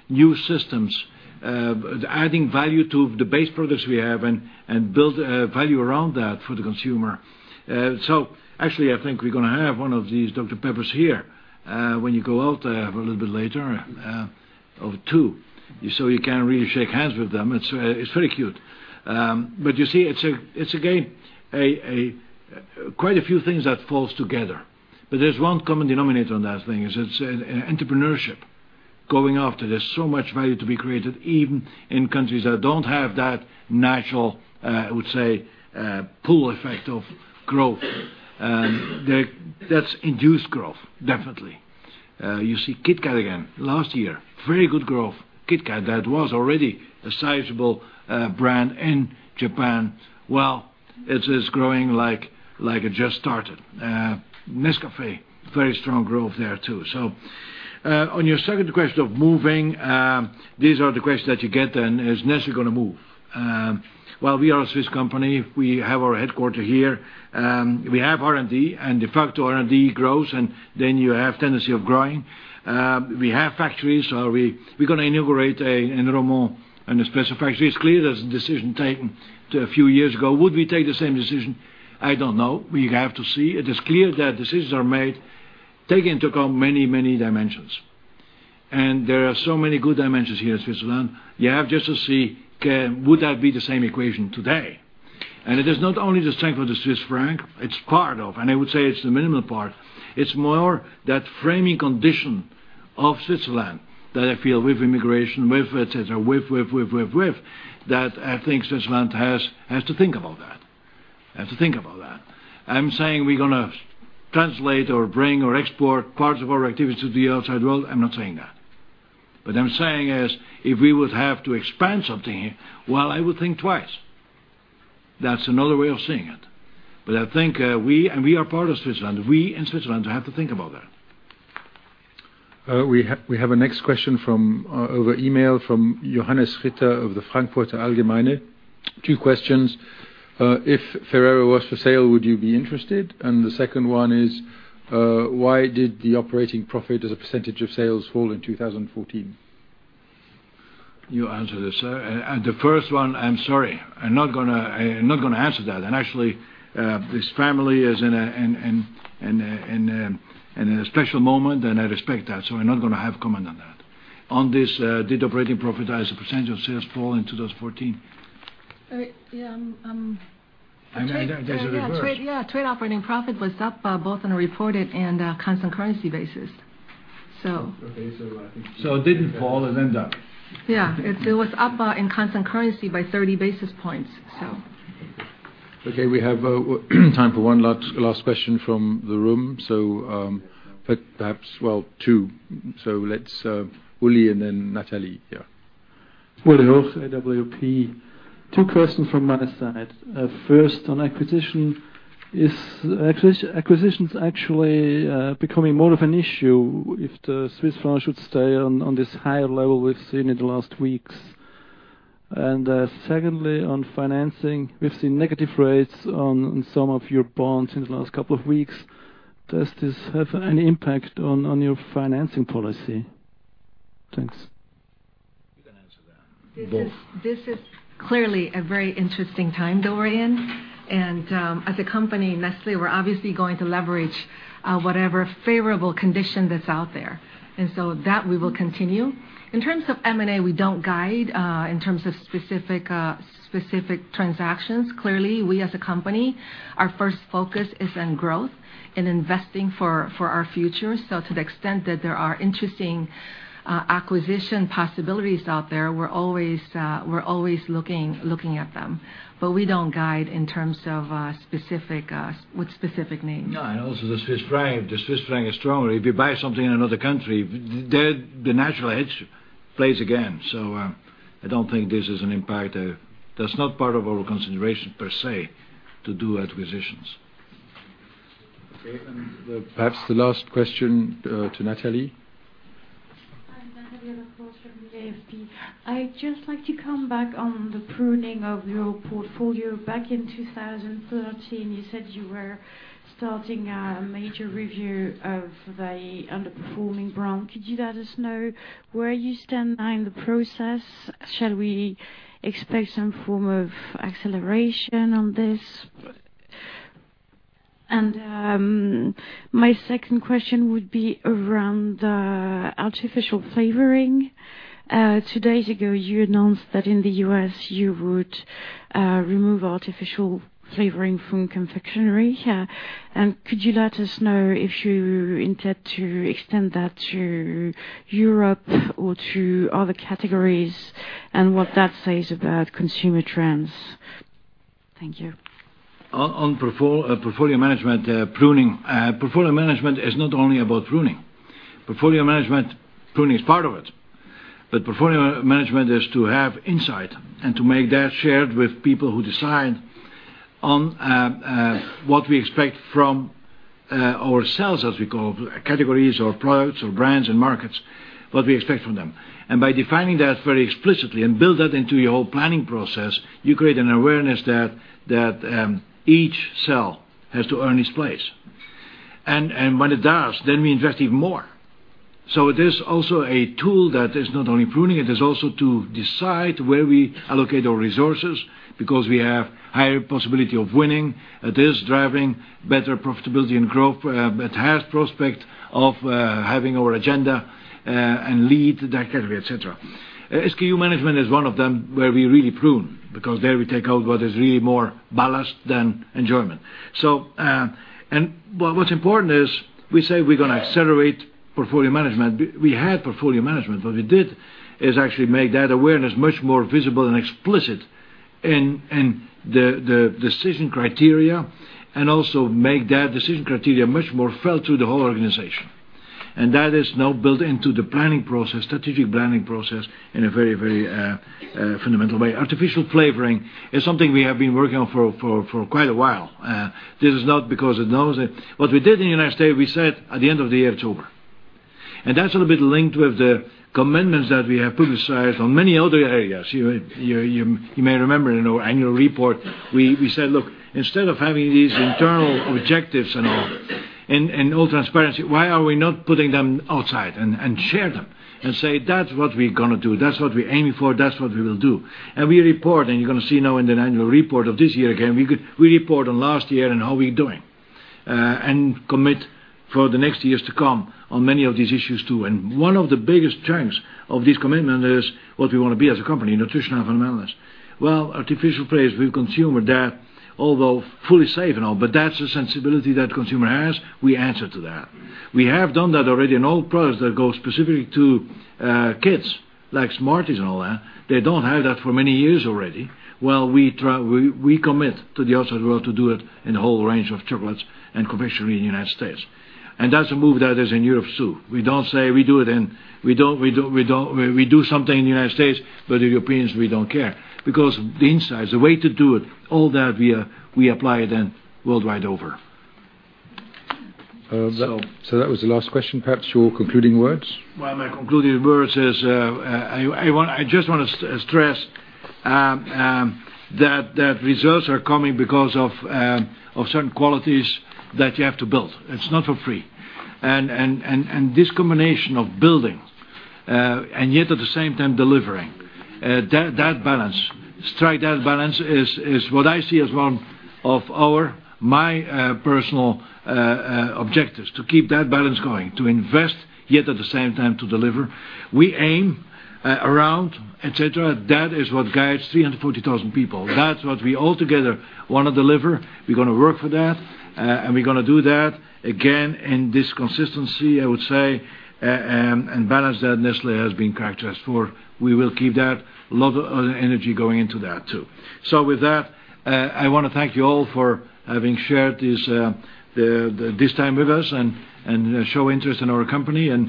new systems, adding value to the base products we have, and build value around that for the consumer. Actually, I think we're going to have one of these Pepper here when you go out a little bit later, or two, so you can really shake hands with them. It's very cute. You see, it's again, quite a few things that fall together. There's one common denominator on that thing, is it's entrepreneurship. Going after this, so much value to be created, even in countries that don't have that natural, I would say, pull effect of growth. That's induced growth, definitely. You see KitKat again, last year, very good growth. KitKat, that was already a sizable brand in Japan. Well, it is growing like it just started. Nescafé, very strong growth there, too. On your second question of moving, these are the questions that you get then, is Nestlé going to move? Well, we are a Swiss company. We have our headquarters here. We have R&D, if R&D grows, then you have tendency of growing. We have factories. We're going to inaugurate in Romont, in a specific factory. It's clear there's a decision taken to a few years ago. Would we take the same decision? I don't know. We have to see. It is clear that decisions are made, take into account many dimensions. There are so many good dimensions here in Switzerland. You have just to see, would that be the same equation today? It is not only the strength of the Swiss franc, it's part of, I would say it's the minimum part. It's more that framing condition of Switzerland that I feel with immigration, with et cetera, with that I think Switzerland has to think about that. I'm saying we're going to translate or bring or export parts of our activity to the outside world. I'm not saying that. What I'm saying is, if we would have to expand something here, well, I would think twice. That's another way of seeing it. I think we, and we are part of Switzerland, we in Switzerland have to think about that. We have a next question over email from Johannes Ritter of the Frankfurter Allgemeine Zeitung. Two questions. If Ferrero was for sale, would you be interested? The second one is, why did the operating profit as a percentage of sales fall in 2014? You answer this. The first one, I'm sorry. I'm not going to answer that. Actually, this family is in a special moment, and I respect that, I'm not going to have comment on that. On this, did operating profit as a percentage of sales fall in 2014? Yeah. There's a reverse. Yeah. Trade operating profit was up both on a reported and constant currency basis. It didn't fall. It end up. It was up in constant currency by 30 basis points, so. We have time for one last question from the room. Perhaps, well, two. Let's Ueli and then Natalie here. Ueli Ruch, AWP. Two questions from my side. First, on acquisition. Is acquisitions actually becoming more of an issue if the Swiss franc should stay on this higher level we've seen in the last weeks? Secondly, on financing, we've seen negative rates on some of your bonds in the last couple of weeks. Does this have any impact on your financing policy? Thanks. You can answer that. This is clearly a very interesting time that we're in, as a company, Nestlé, we're obviously going to leverage whatever favorable condition that's out there. That we will continue. In terms of M&A, we don't guide in terms of specific transactions. Clearly, we as a company, our first focus is on growth and investing for our future. To the extent that there are interesting acquisition possibilities out there, we're always looking at them. We don't guide in terms of specific names. No. Also the Swiss franc. The Swiss franc is stronger. If you buy something in another country, the natural hedge plays again. I don't think this is an impact. That's not part of our consideration per se to do acquisitions. Okay. Perhaps the last question to Natalie. Hi, Natalie Lacroix from the AFP. I'd just like to come back on the pruning of your portfolio. Back in 2013, you said you were starting a major review of the underperforming brand. Could you let us know where you stand now in the process? Shall we expect some form of acceleration on this? My second question would be around artificial flavoring. Two days ago, you announced that in the U.S. you would remove artificial flavoring from confectionery. Could you let us know if you intend to extend that to Europe or to other categories, and what that says about consumer trends? Thank you. On portfolio management pruning. Portfolio management is not only about pruning. Portfolio management, pruning is part of it, but portfolio management is to have insight and to make that shared with people who decide on what we expect from our sales, as we call categories or products or brands and markets, what we expect from them. By defining that very explicitly and build that into your whole planning process, you create an awareness that each sale has to earn its place. When it does, then we invest even more. It is also a tool that is not only pruning, it is also to decide where we allocate our resources because we have higher possibility of winning. It is driving better profitability and growth, but has prospect of having our agenda and lead that category, et cetera. SKU management is one of them where we really prune, because there we take out what is really more ballast than enjoyment. What's important is we say we're going to accelerate portfolio management. We had portfolio management, what we did is actually make that awareness much more visible and explicit in the decision criteria, and also make that decision criteria much more felt through the whole organization. That is now built into the strategic planning process in a very fundamental way. Artificial flavoring is something we have been working on for quite a while. This is not because it knows it. What we did in the U.S., we said at the end of the year it's over. That's a little bit linked with the commitments that we have publicized on many other areas. You may remember in our annual report, we said, look, instead of having these internal objectives and all, in all transparency, why are we not putting them outside and share them and say, that's what we're going to do. That's what we're aiming for. That's what we will do. We report, and you're going to see now in the annual report of this year again, we report on last year and how we're doing. Commit for the next years to come on many of these issues, too. One of the biggest chunks of this commitment is what we want to be as a company, Nutrition, Health and Wellness. Well, artificial flavors, we've consumed that, although fully safe and all, but that's the sensibility that consumer has. We answer to that. We have done that already in all products that go specifically to kids, like Smarties and all that. They don't have that for many years already, while we commit to the outside world to do it in the whole range of chocolates and confectionery in the U.S. That's a move that is in Europe, too. We do something in the U.S., the Europeans, we don't care because the insights, the way to do it, all that we apply it then worldwide over. That was the last question. Perhaps your concluding words? Well, my concluding words is, I just want to stress that results are coming because of certain qualities that you have to build. It's not for free. This combination of building, and yet at the same time delivering, strike that balance is what I see as one of my personal objectives, to keep that balance going. To invest, yet at the same time to deliver. We aim around, et cetera. That is what guides 340,000 people. That's what we all together want to deliver. We're going to work for that, and we're going to do that, again, in this consistency, I would say, and balance that Nestlé has been characterized for. We will keep that. A lot of energy going into that, too. With that, I want to thank you all for having shared this time with us and show interest in our company and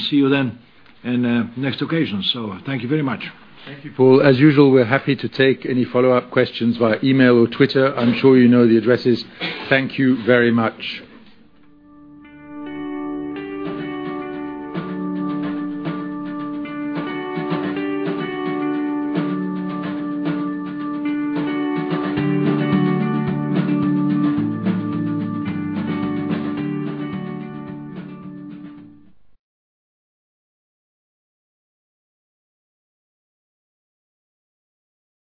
see you then in next occasion. Thank you very much. Thank you, Paul. As usual, we're happy to take any follow-up questions via email or Twitter. I'm sure you know the addresses. Thank you very much.